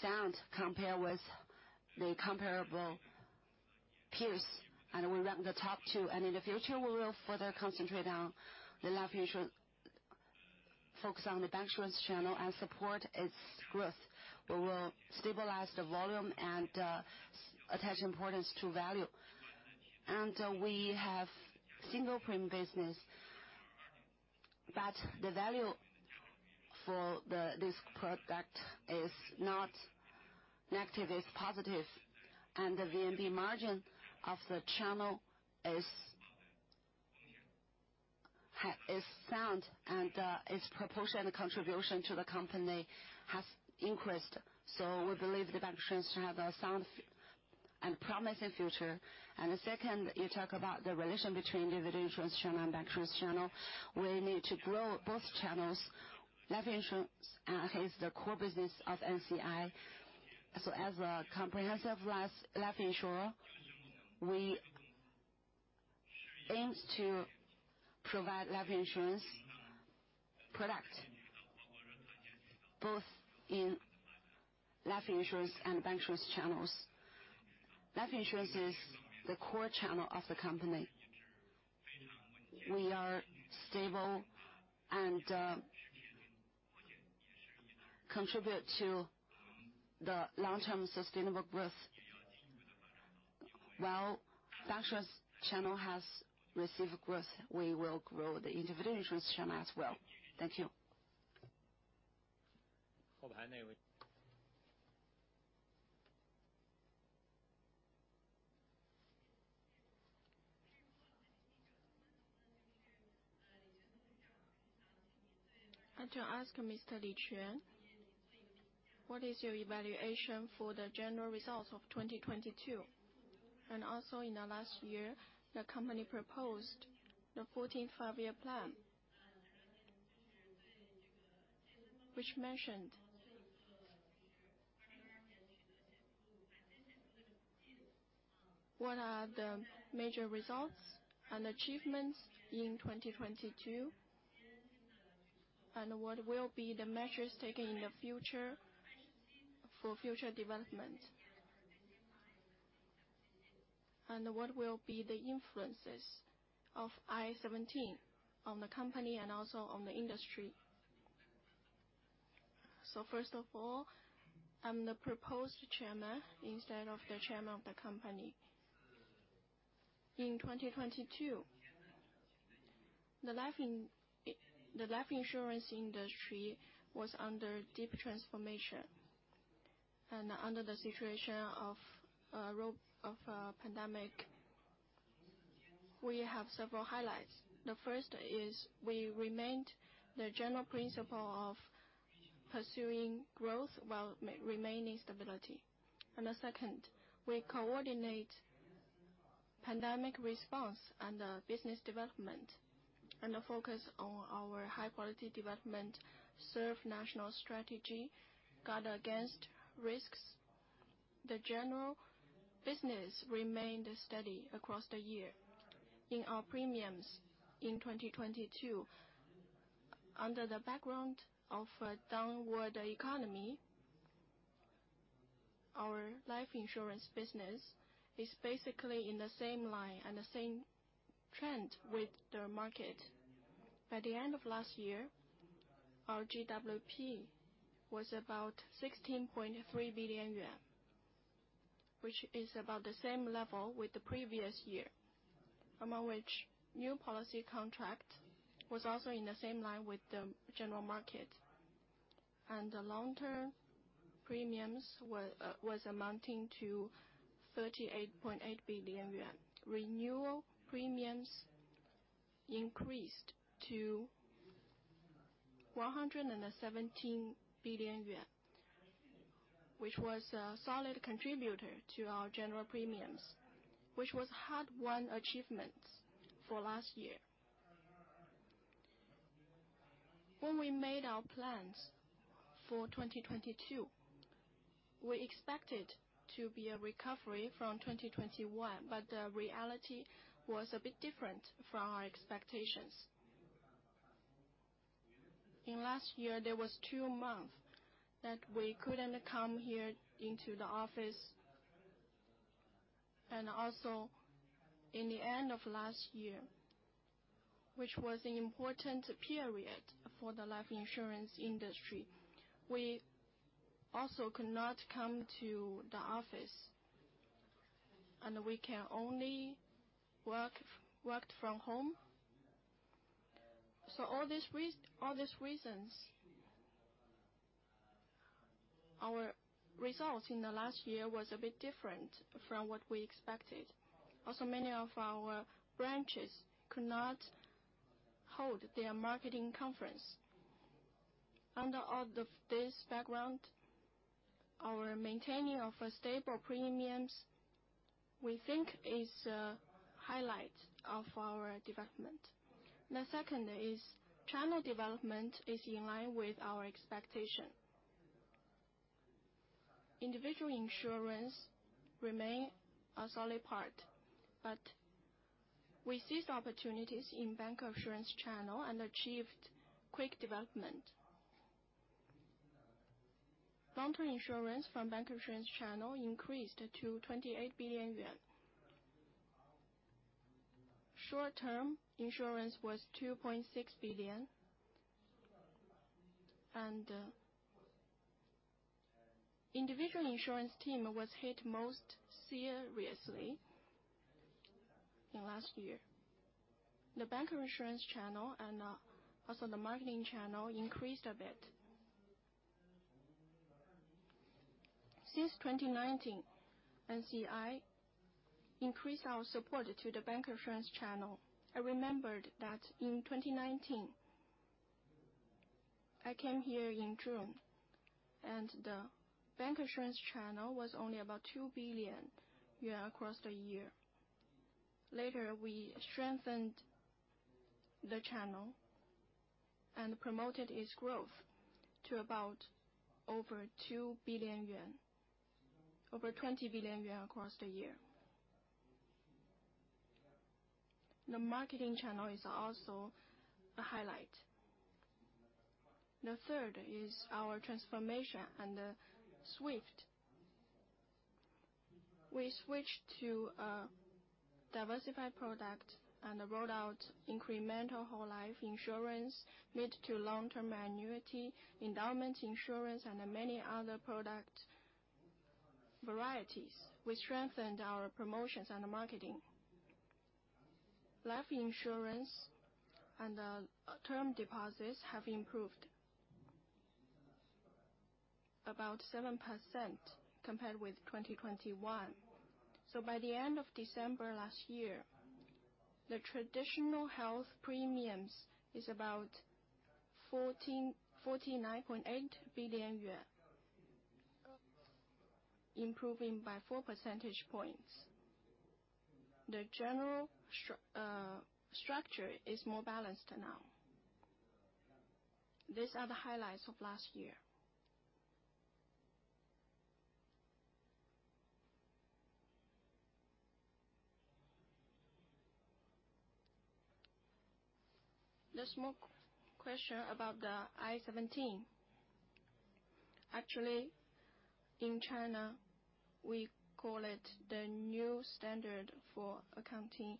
sound compared with the comparable peers, and we rank in the top two. In the future, we will further concentrate on the life insurance, focus on the bank insurance channel and support its growth. We will stabilize the volume and attach importance to value. We have single premium business, but the value for this product is not negative, it's positive. The VNB margin of the channel is sound and its proportion and contribution to the company has increased. We believe the bank insurance should have a sound and promising future. The second, you talk about the relation between the Vida insurance channel and bank insurance channel. We need to grow both channels. Life insurance is the core business of NCI. As a comprehensive life insurer, we aims to provide life insurance product both in life insurance and bank insurance channels. Life insurance is the core channel of the company. We are stable and contribute to the long-term sustainable growth. While bank insurance channel has massive growth, we will grow the individual insurance channel as well. Thank you. I'd like to ask Mr. Li Quan, what is your evaluation for the general results of 2022? In the last year, the company proposed the 14th Five-Year Plan. What are the major results and achievements in 2022? What will be the measures taken in the future for future development? What will be the influences of IFRS 17 on the company and also on the industry? First of all, I'm the proposed chairman instead of the chairman of the company. In 2022, the life insurance industry was under deep transformation. Under the situation of pandemic, we have several highlights. The first is we remained the general principle of pursuing growth while remaining stability. The second, we coordinate pandemic response and business development, and focus on our high-quality development, serve national strategy, guard against risks. The general business remained steady across the year. In our premiums in 2022, under the background of a downward economy, our life insurance business is basically in the same line and the same trend with the market. By the end of last year, our GWP was about 16.3 billion yuan, which is about the same level with the previous year. Among which, new policy contract was also in the same line with the general market. The long-term premiums was amounting to 38.8 billion yuan. Renewal premiums increased to 117 billion yuan, which was a solid contributor to our general premiums, which was hard-won achievements for last year. When we made our plans for 2022, we expected to be a recovery from 2021, but the reality was a bit different from our expectations. In last year, there was two month that we couldn't come here into the office. Also, in the end of last year, which was an important period for the life insurance industry, we also could not come to the office, and we can only worked from home. All these reasons, our results in the last year was a bit different from what we expected. Also, many of our branches could not hold their marketing conference. Under all of this background, our maintaining of stable premiums, we think is a highlight of our development. The second is channel development is in line with our expectation. Individual insurance remain a solid part, we seized opportunities in bank insurance channel and achieved quick development. Long-term insurance from bank insurance channel increased to 28 billion yuan. Short-term insurance was 2.6 billion. Individual insurance team was hit most seriously in last year. The bank insurance channel and also the marketing channel increased a bit. Since 2019, NCI increased our support to the bank insurance channel. I remembered that in 2019, I came here in June, and the bank insurance channel was only about 2 billion yuan across the year. Later, we strengthened the channel and promoted its growth to about over 20 billion yuan across the year. The marketing channel is also a highlight. The third is our transformation and swift. We switched to a diversified product, rolled out incremental whole life insurance made to long-term annuity, endowment insurance, and many other product varieties, which strengthened our promotions and marketing. Life insurance and term deposits have improved about 7% compared with 2021. By the end of December last year, the traditional health premiums is about CNY 49.8 billion, improving by 4 percentage points. The general structure is more balanced now. These are the highlights of last year. There's more question about the IFRS 17. Actually, in China, we call it the new accounting standard for insurance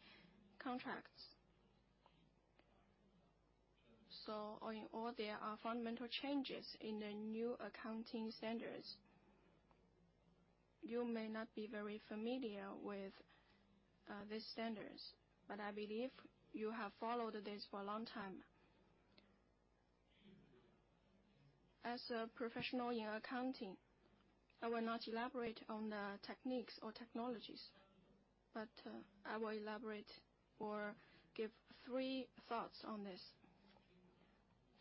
contracts. In all, there are fundamental changes in the new accounting standards. You may not be very familiar with these standards, I believe you have followed this for a long time. As a professional in accounting, I will not elaborate on the techniques or technologies, I will elaborate or give three thoughts on this.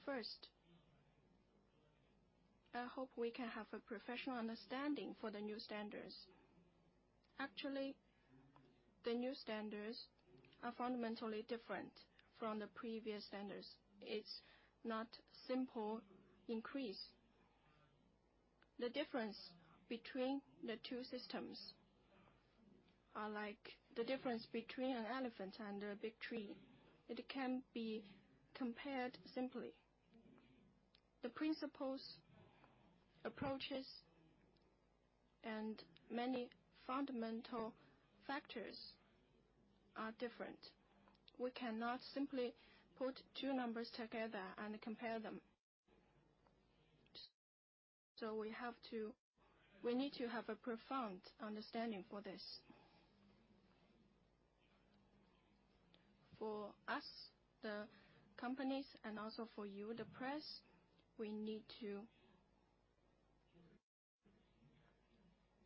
First, I hope we can have a professional understanding for the new standards. Actually, the new standards are fundamentally different from the previous standards. It's not simple increase. The difference between the two systems are like the difference between an elephant and a big tree. It can be compared simply. The principles, approaches, and many fundamental factors are different. We cannot simply put two numbers together and compare them. We need to have a profound understanding for this. For us, the companies, and also for you, the press,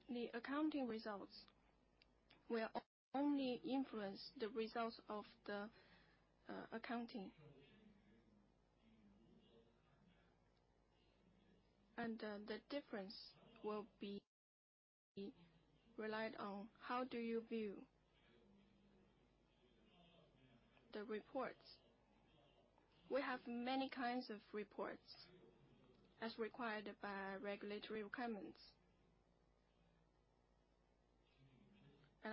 the accounting results will only influence the results of the accounting. The difference will be relied on how do you view the reports. We have many kinds of reports as required by regulatory requirements.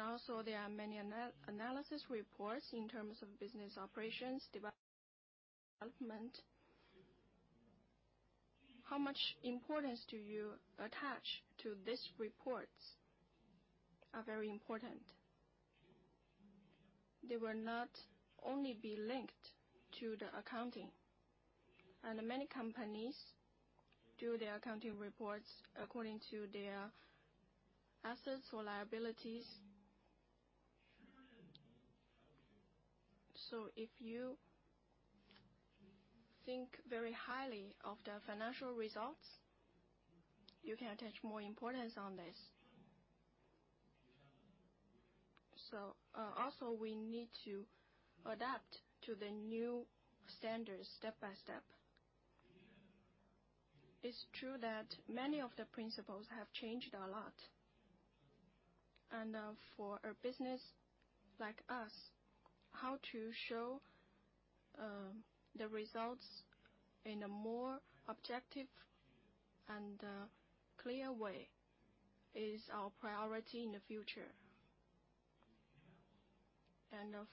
Also, there are many analysis reports in terms of business operations, development. How much importance do you attach to these reports are very important. They will not only be linked to the accounting, and many companies do their accounting reports according to their assets or liabilities. If you think very highly of the financial results, you can attach more importance on this. Also, we need to adapt to the new standards step by step. It's true that many of the principles have changed a lot, and for a business like us, how to show the results in a more objective and clear way is our priority in the future.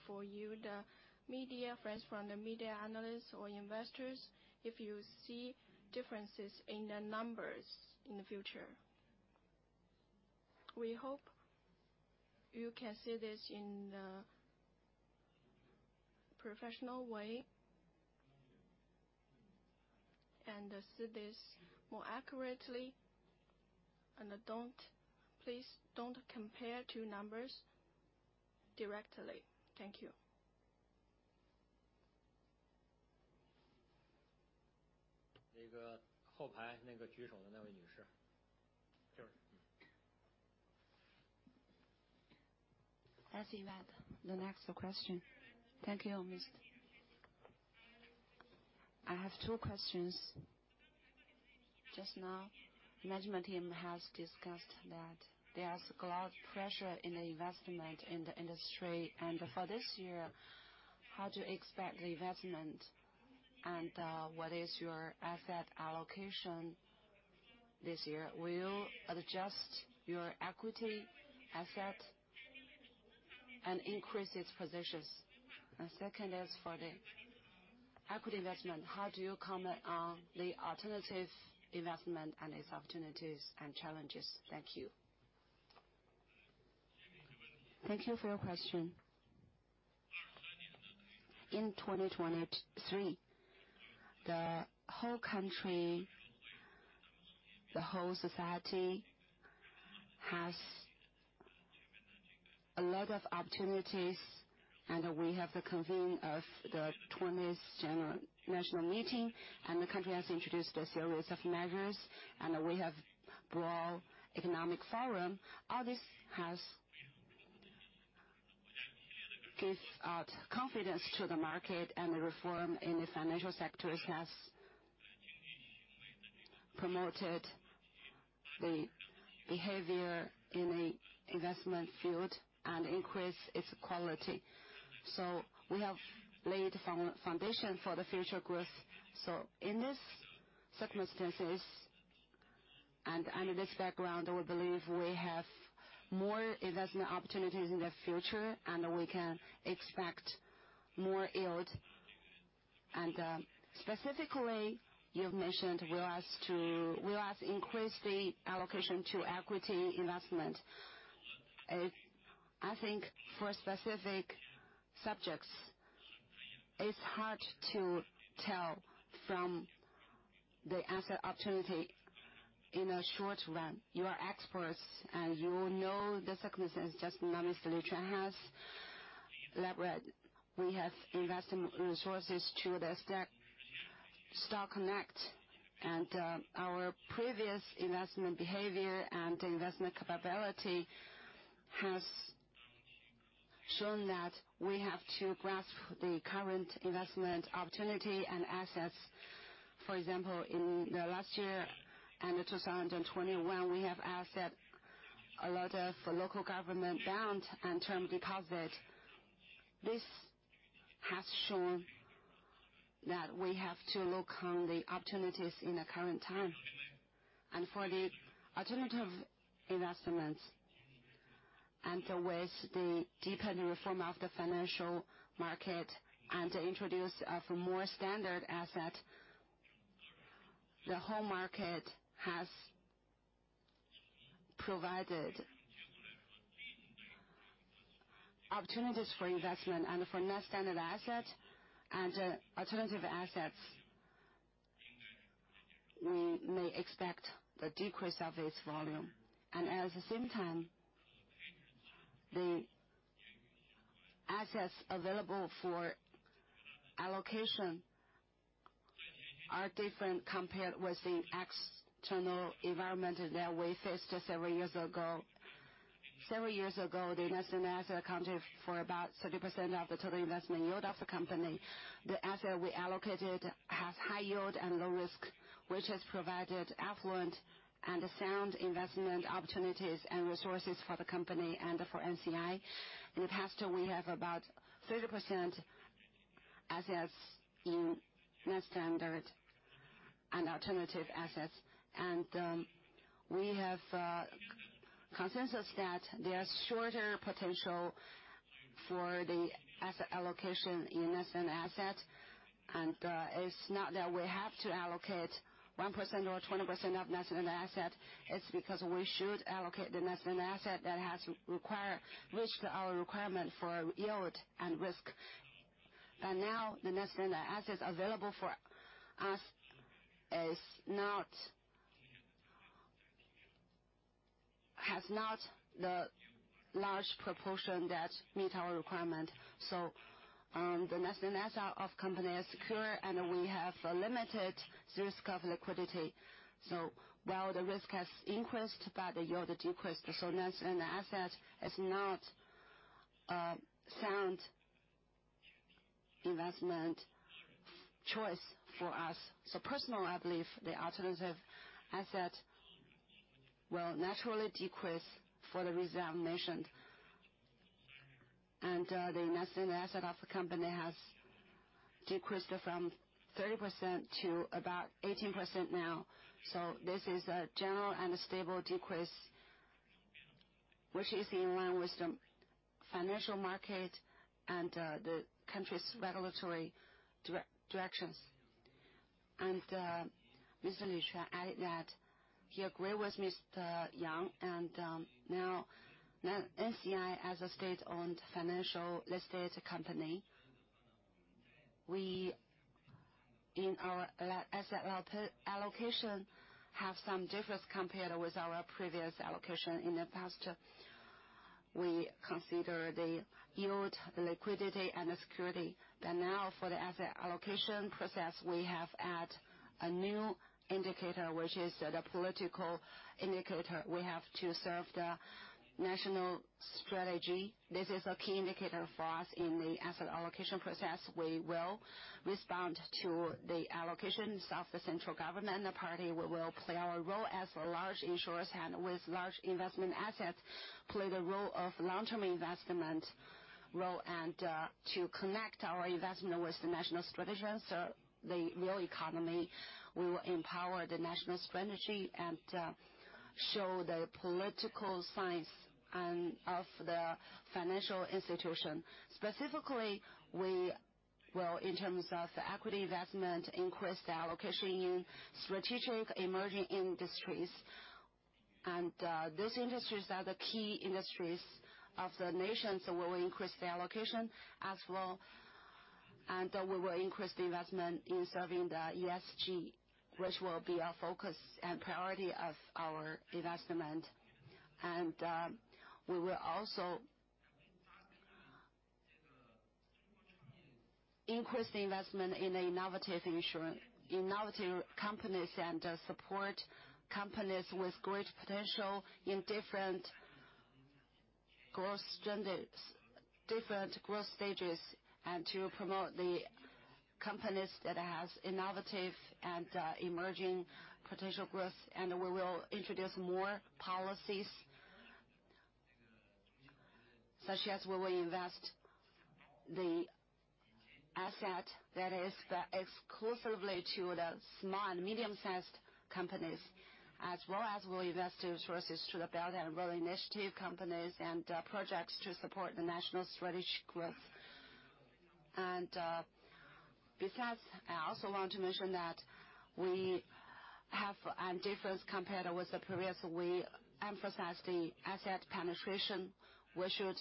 For you, the media, friends from the media, analysts or investors, if you see differences in the numbers in the future, we hope you can see this in a professional way and see this more accurately. Don't, please don't compare two numbers directly. Thank you. Let's invite the next question. Thank you. I have two questions. Just now, management team has discussed that there's a lot pressure in the investment in the industry. For this year, how to expect the investment and what is your asset allocation this year? Will you adjust your equity asset and increase its positions? Second is for the equity investment. How do you comment on the alternative investment and its opportunities and challenges? Thank you. Thank you for your question. In 2023, the whole country, the whole society, has a lot of opportunities. We have the convene of the 20th general national meeting, the country has introduced a series of measures, we have broad economic forum. All this gives confidence to the market, the reform in the financial sector has Promoted the behavior in a investment field and increase its quality. We have laid foundation for the future growth. In this circumstances and under this background, we believe we have more investment opportunities in the future, and we can expect more yield. Specifically, you've mentioned will increase the allocation to equity investment. I think for specific subjects, it's hard to tell from the asset opportunity in a short run. You are experts, and you know the circumstances, just Mr. Liu Chuan has elaborated. We have investment resources to the Stock Connect. Our previous investment behavior and investment capability has shown that we have to grasp the current investment opportunity and assets. For example, in the last year, and in 2021, we have asset a lot of local government bond and term deposit. This has shown that we have to look on the opportunities in the current time. For the alternative investments, and with the deepened reform of the financial market and introduce of more standard asset, the whole market has provided opportunities for investment and for non-standard asset and alternative assets. We may expect the decrease of this volume. At the same time, the assets available for allocation are different compared with the external environment that we faced several years ago. Several years ago, the investment asset accounted for about 30% of the total investment yield of the company. The asset we allocated has high yield and low risk, which has provided affluent and sound investment opportunities and resources for the company and for NCI. In the past, we have about 30% assets in non-standard and alternative assets. We have consensus that there's shorter potential for the asset allocation in investment asset. It's not that we have to allocate 1% or 20% of investment asset. It's because we should allocate the investment asset that has reached our requirement for yield and risk. Now, the investment assets available for us is not the large proportion that meet our requirement. The investment asset of company is secure, and we have limited risk of liquidity. While the risk has increased, but the yield decreased. Investment asset is not a sound investment choice for us. Personally, I believe the alternative asset will naturally decrease for the reason I mentioned. The investment asset of the company has decreased from 30% to about 18% now. This is a general and a stable decrease, which is in line with the financial market and the country's regulatory directions. Mr. Li Quan added that he agree with Mr. Yang Zheng. Now NCI as a state-owned financial listed company, we in our asset allocation have some difference compared with our previous allocation in the past. We consider the yield, liquidity and the security. Now, for the asset allocation process, we have add a new indicator, which is the political indicator. We have to serve the national strategy. This is a key indicator for us in the asset allocation process. We will respond to the allocations of the central government and the party. We will play our role as a large insurance and with large investment assets, play the role of long-term investment role to connect our investment with the national strategies, the real economy, we will empower the national strategy and show the political science and of the financial institution. Specifically, we will, in terms of equity investment, increase the allocation in strategic emerging industries. These industries are the key industries of the nation, we will increase the allocation as well. We will increase the investment in serving the ESG, which will be our focus and priority of our investment. We will also increase investment in innovative insurance, innovative companies and support companies with great potential in different. growth stages, different growth stages and to promote the companies that has innovative and emerging potential growth. We will introduce more policies such as we will invest the asset that is exclusively to the small and medium-sized companies, as well as we'll invest resources to the Belt and Road Initiative companies and projects to support the national strategic growth. Besides, I also want to mention that we have difference compared with the previous. We emphasize the asset penetration. We should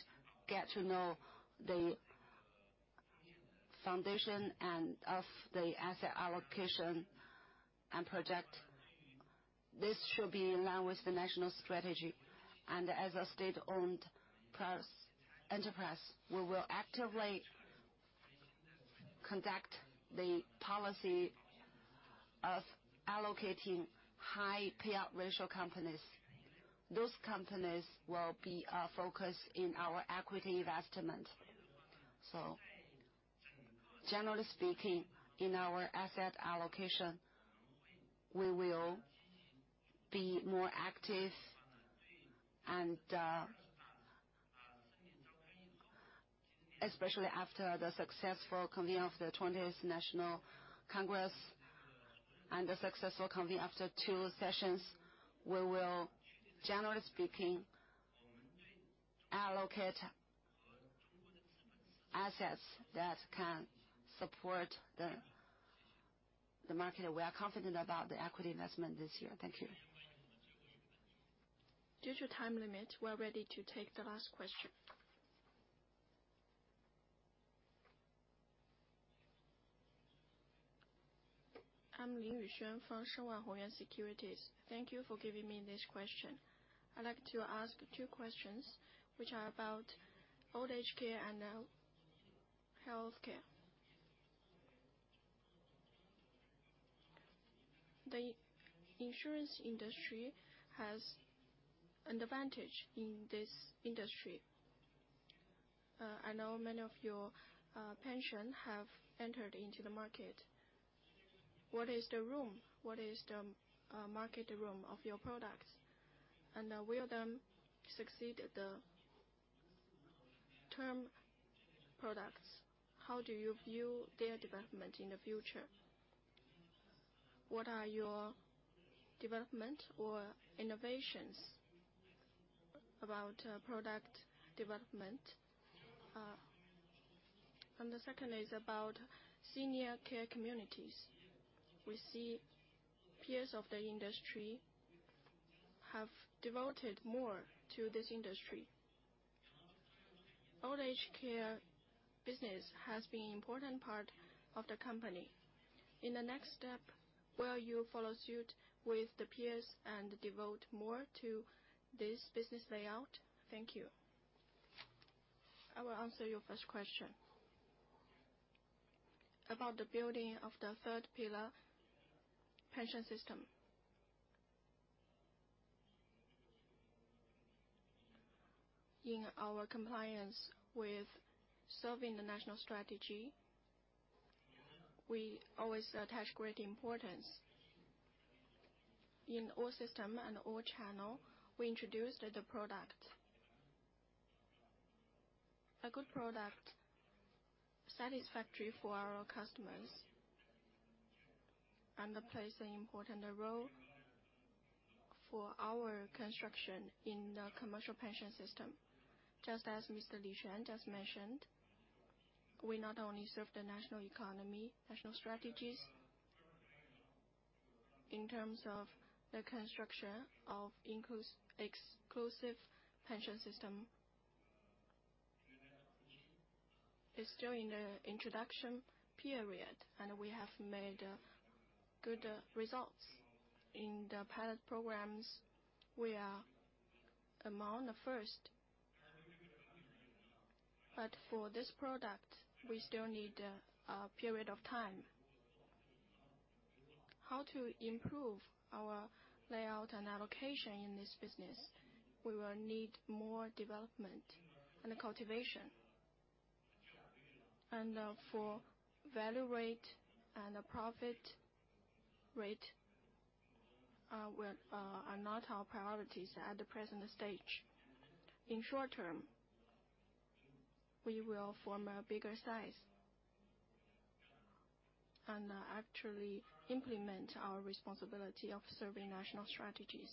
get to know the foundation and of the asset allocation and project. This should be in line with the national strategy. As a state-owned press enterprise, we will actively conduct the policy of allocating high payout ratio companies. Those companies will be focused in our equity investment. Generally speaking, in our asset allocation, we will be more active and, especially after the successful convening of the 20th National Congress and the successful convening after two sessions, we will, generally speaking, allocate assets that can support the market. We are confident about the equity investment this year. Thank you. Due to time limit, we're ready to take the last question. I'm Lin Yushen from Shenwan Hongyuan Securities. Thank you for giving me this question. I'd like to ask two questions which are about old age care and health care. The insurance industry has an advantage in this industry. I know many of your pension have entered into the market. What is the room? What is the market room of your products? Will them succeed the term products? How do you view their development in the future? What are your development or innovations about product development? The second is about senior care communities. We see peers of the industry have devoted more to this industry. Old age care business has been important part of the company. In the next step, will you follow suit with the peers and devote more to this business layout? Thank you. I will answer your first question. About the building of the third pillar pension system. In our compliance with serving the national strategy, we always attach great importance. In all system and all channel, we introduced the product. A good product satisfactory for our customers and plays an important role for our construction in the commercial pension system. Just as Mr. Li Quan just mentioned, we not only serve the national economy, national strategies. In terms of the construction of exclusive pension system, it's still in the introduction period, and we have made good results. In the pilot programs, we are among the first. For this product, we still need a period of time. How to improve our layout and allocation in this business, we will need more development and cultivation. For value rate and the profit rate, we are not our priorities at the present stage. In short term, we will form a bigger size and actually implement our responsibility of serving national strategies.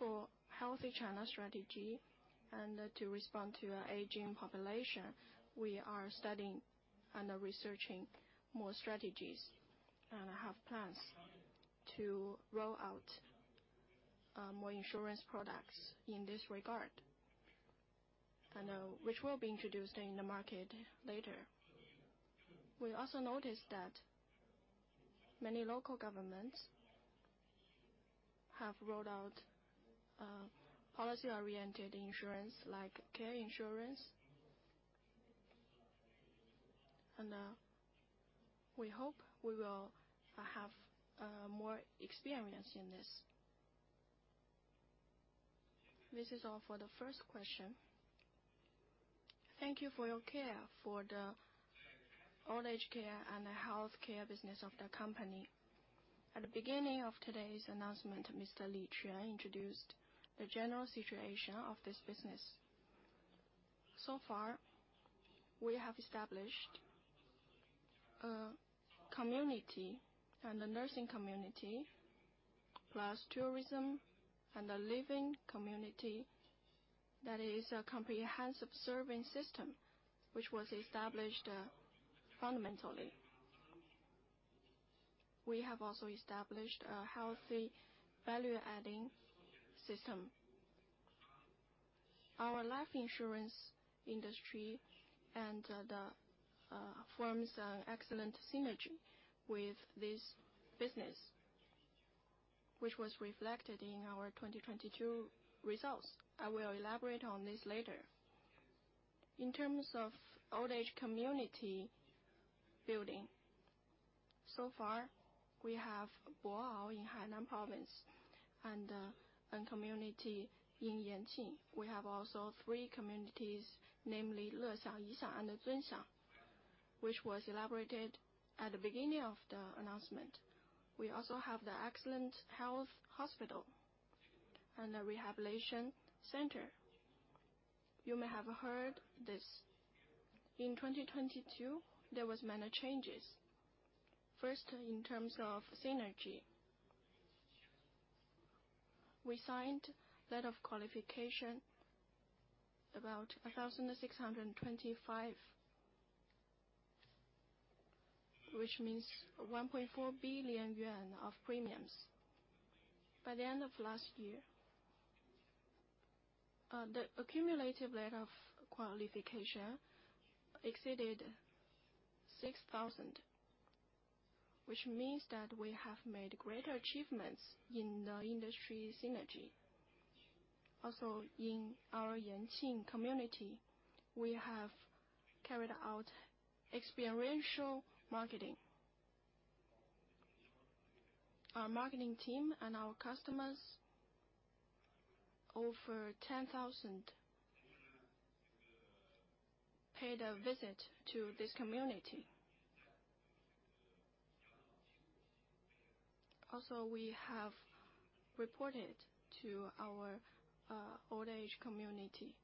For Healthy China 2030 and to respond to an aging population, we are studying and are researching more strategies and have plans to roll out more insurance products in this regard, which will be introduced in the market later. We also noticed that many local governments have rolled out policy-oriented insurance like care insurance. We hope we will have more experience in this. This is all for the first question. Thank you for your care for the old age care and the health care business of the company. At the beginning of today's announcement, Mr. Li Quan introduced the general situation of this business. So far, we have established a community and a nursing community, plus tourism and a living community that is a comprehensive serving system which was established fundamentally. We have also established a healthy value-adding system. Our life insurance industry and the forms an excellent synergy with this business, which was reflected in our 2022 results. I will elaborate on this later. In terms of old age community building, so far we have Bo'ao in Hainan province and a community in Yanqing. We have also three communities, namely Lexiang, Yixiang and Zunxiang, which was elaborated at the beginning of the announcement. We also have the Excellent Health hospital and a rehabilitation center. You may have heard this. In 2022, there was minor changes. First, in terms of synergy. We signed letter of qualification, about 1,625, which means 1.4 billion yuan of premiums. By the end of last year, the accumulated letter of qualification exceeded 6,000, which means that we have made greater achievements in the industry synergy. In our Yanqing community, we have carried out experiential marketing. Our marketing team and our customers, over 10,000, paid a visit to this community. We have reported to our old age community,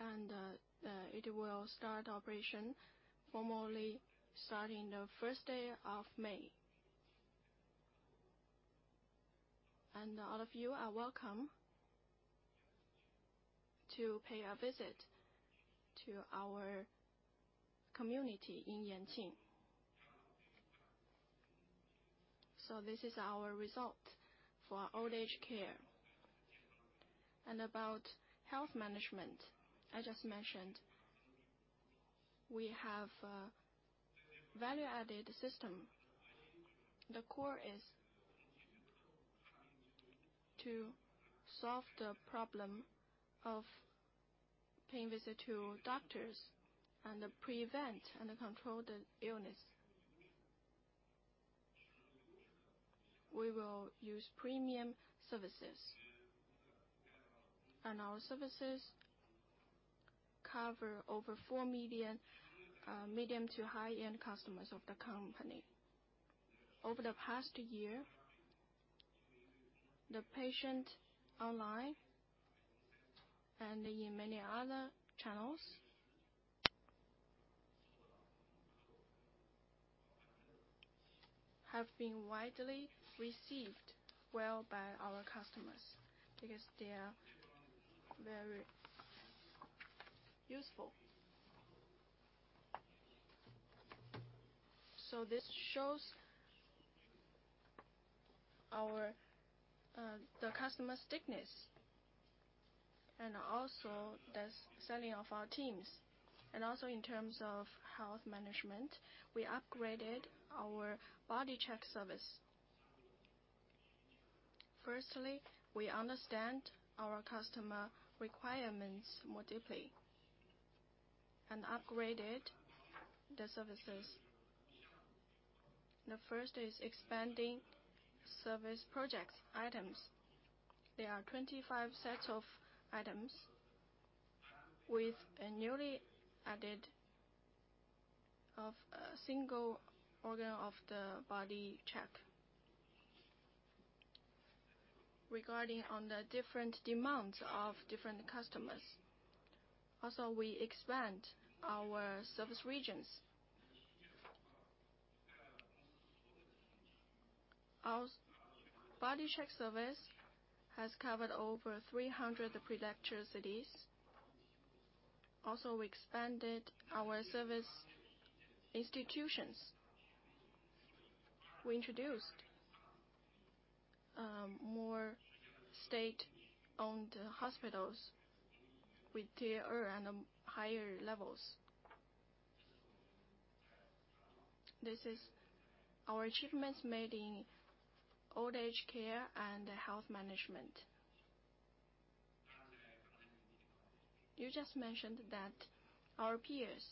and it will start operation formally starting the first day of May. All of you are welcome to pay a visit to our community in Yanqing. This is our result for old age care. About health management, I just mentioned we have a value-added system. The core is to solve the problem of paying visit to doctors and prevent and control the illness. We will use premium services. Our services cover over 4 million medium to high-end customers of the company. Over the past year, the patient online and in many other channels have been widely received well by our customers because they are very useful. This shows our the customer stickiness and also the selling of our teams. Also in terms of health management, we upgraded our body check service. Firstly, we understand our customer requirements more deeply and upgraded the services. The first is expanding service project items. There are 25 sets of items with a newly added of a single organ of the body check. Regarding on the different demands of different customers, also we expand our service regions. Our body check service has covered over 300 prefecture cities. Also, we expanded our service institutions. We introduced more state-owned hospitals with tier and higher levels. This is our achievements made in old age care and health management. You just mentioned that our peers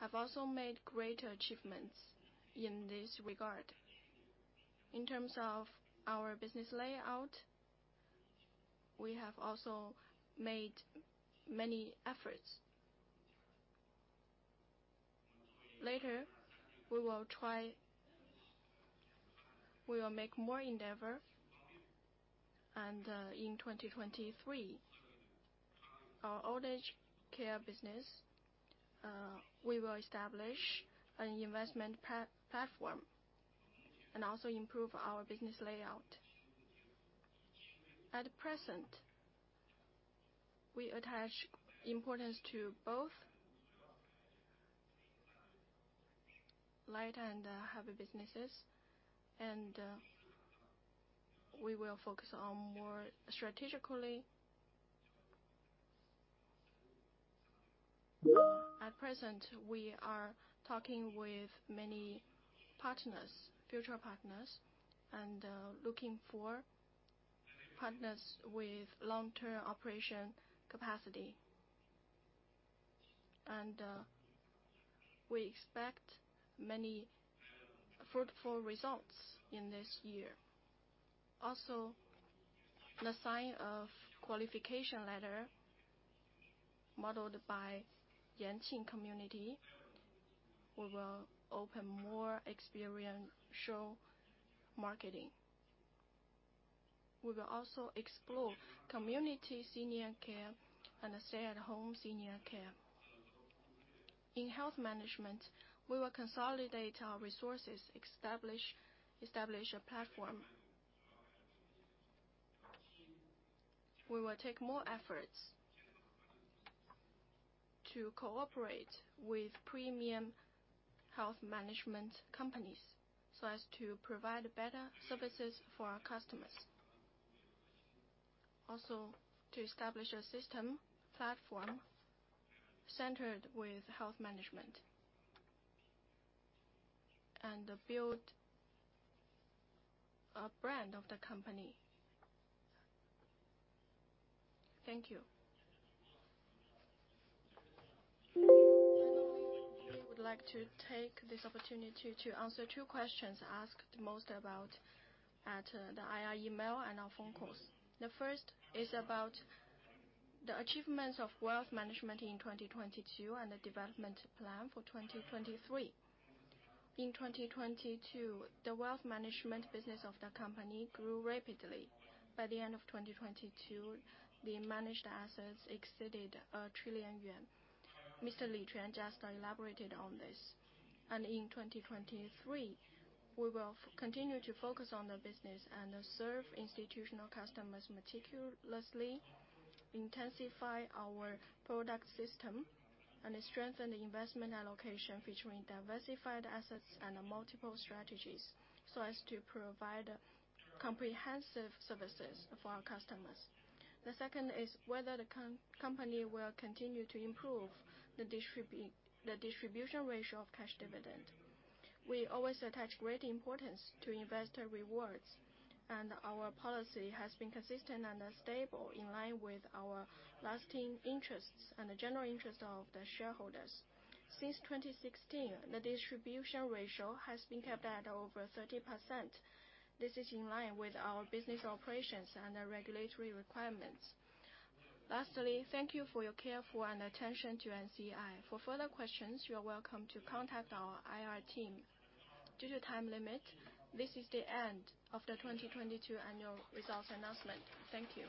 have also made great achievements in this regard. In terms of our business layout, we have also made many efforts. Later, We will make more endeavor, and in 2023, our old age care business, we will establish an investment platform and also improve our business layout. At present, we attach importance to both light and heavy businesses, and we will focus on more strategically. At present, we are talking with many partners, future partners, looking for partners with long-term operation capacity. We expect many fruitful results in this year. Also, the sign of qualification letter modeled by Yanqing Community, we will open more experiential marketing. We will also explore community senior care and stay-at-home senior care. In health management, we will consolidate our resources, establish a platform. We will take more efforts to cooperate with premium health management companies so as to provide better services for our customers. To establish a system platform centered with health management and build a brand of the company. Thank you. Finally, we would like to take this opportunity to answer two questions asked most about at the IR email and our phone calls. The first is about the achievements of wealth management in 2022 and the development plan for 2023. In 2022, the wealth management business of the company grew rapidly. By the end of 2022, the managed assets exceeded 1 trillion yuan. Mr. Li Quan just elaborated on this. In 2023, we will continue to focus on the business and serve institutional customers meticulously, intensify our product system, and strengthen the investment allocation featuring diversified assets and multiple strategies so as to provide comprehensive services for our customers. The second is whether the company will continue to improve the distribution ratio of cash dividend. We always attach great importance to investor rewards, and our policy has been consistent and stable in line with our lasting interests and the general interest of the shareholders. Since 2016, the distribution ratio has been kept at over 30%. This is in line with our business operations and the regulatory requirements. Lastly, thank you for your care for and attention to NCI. For further questions, you are welcome to contact our IR team. Due to time limit, this is the end of the 2022 annual results announcement. Thank you.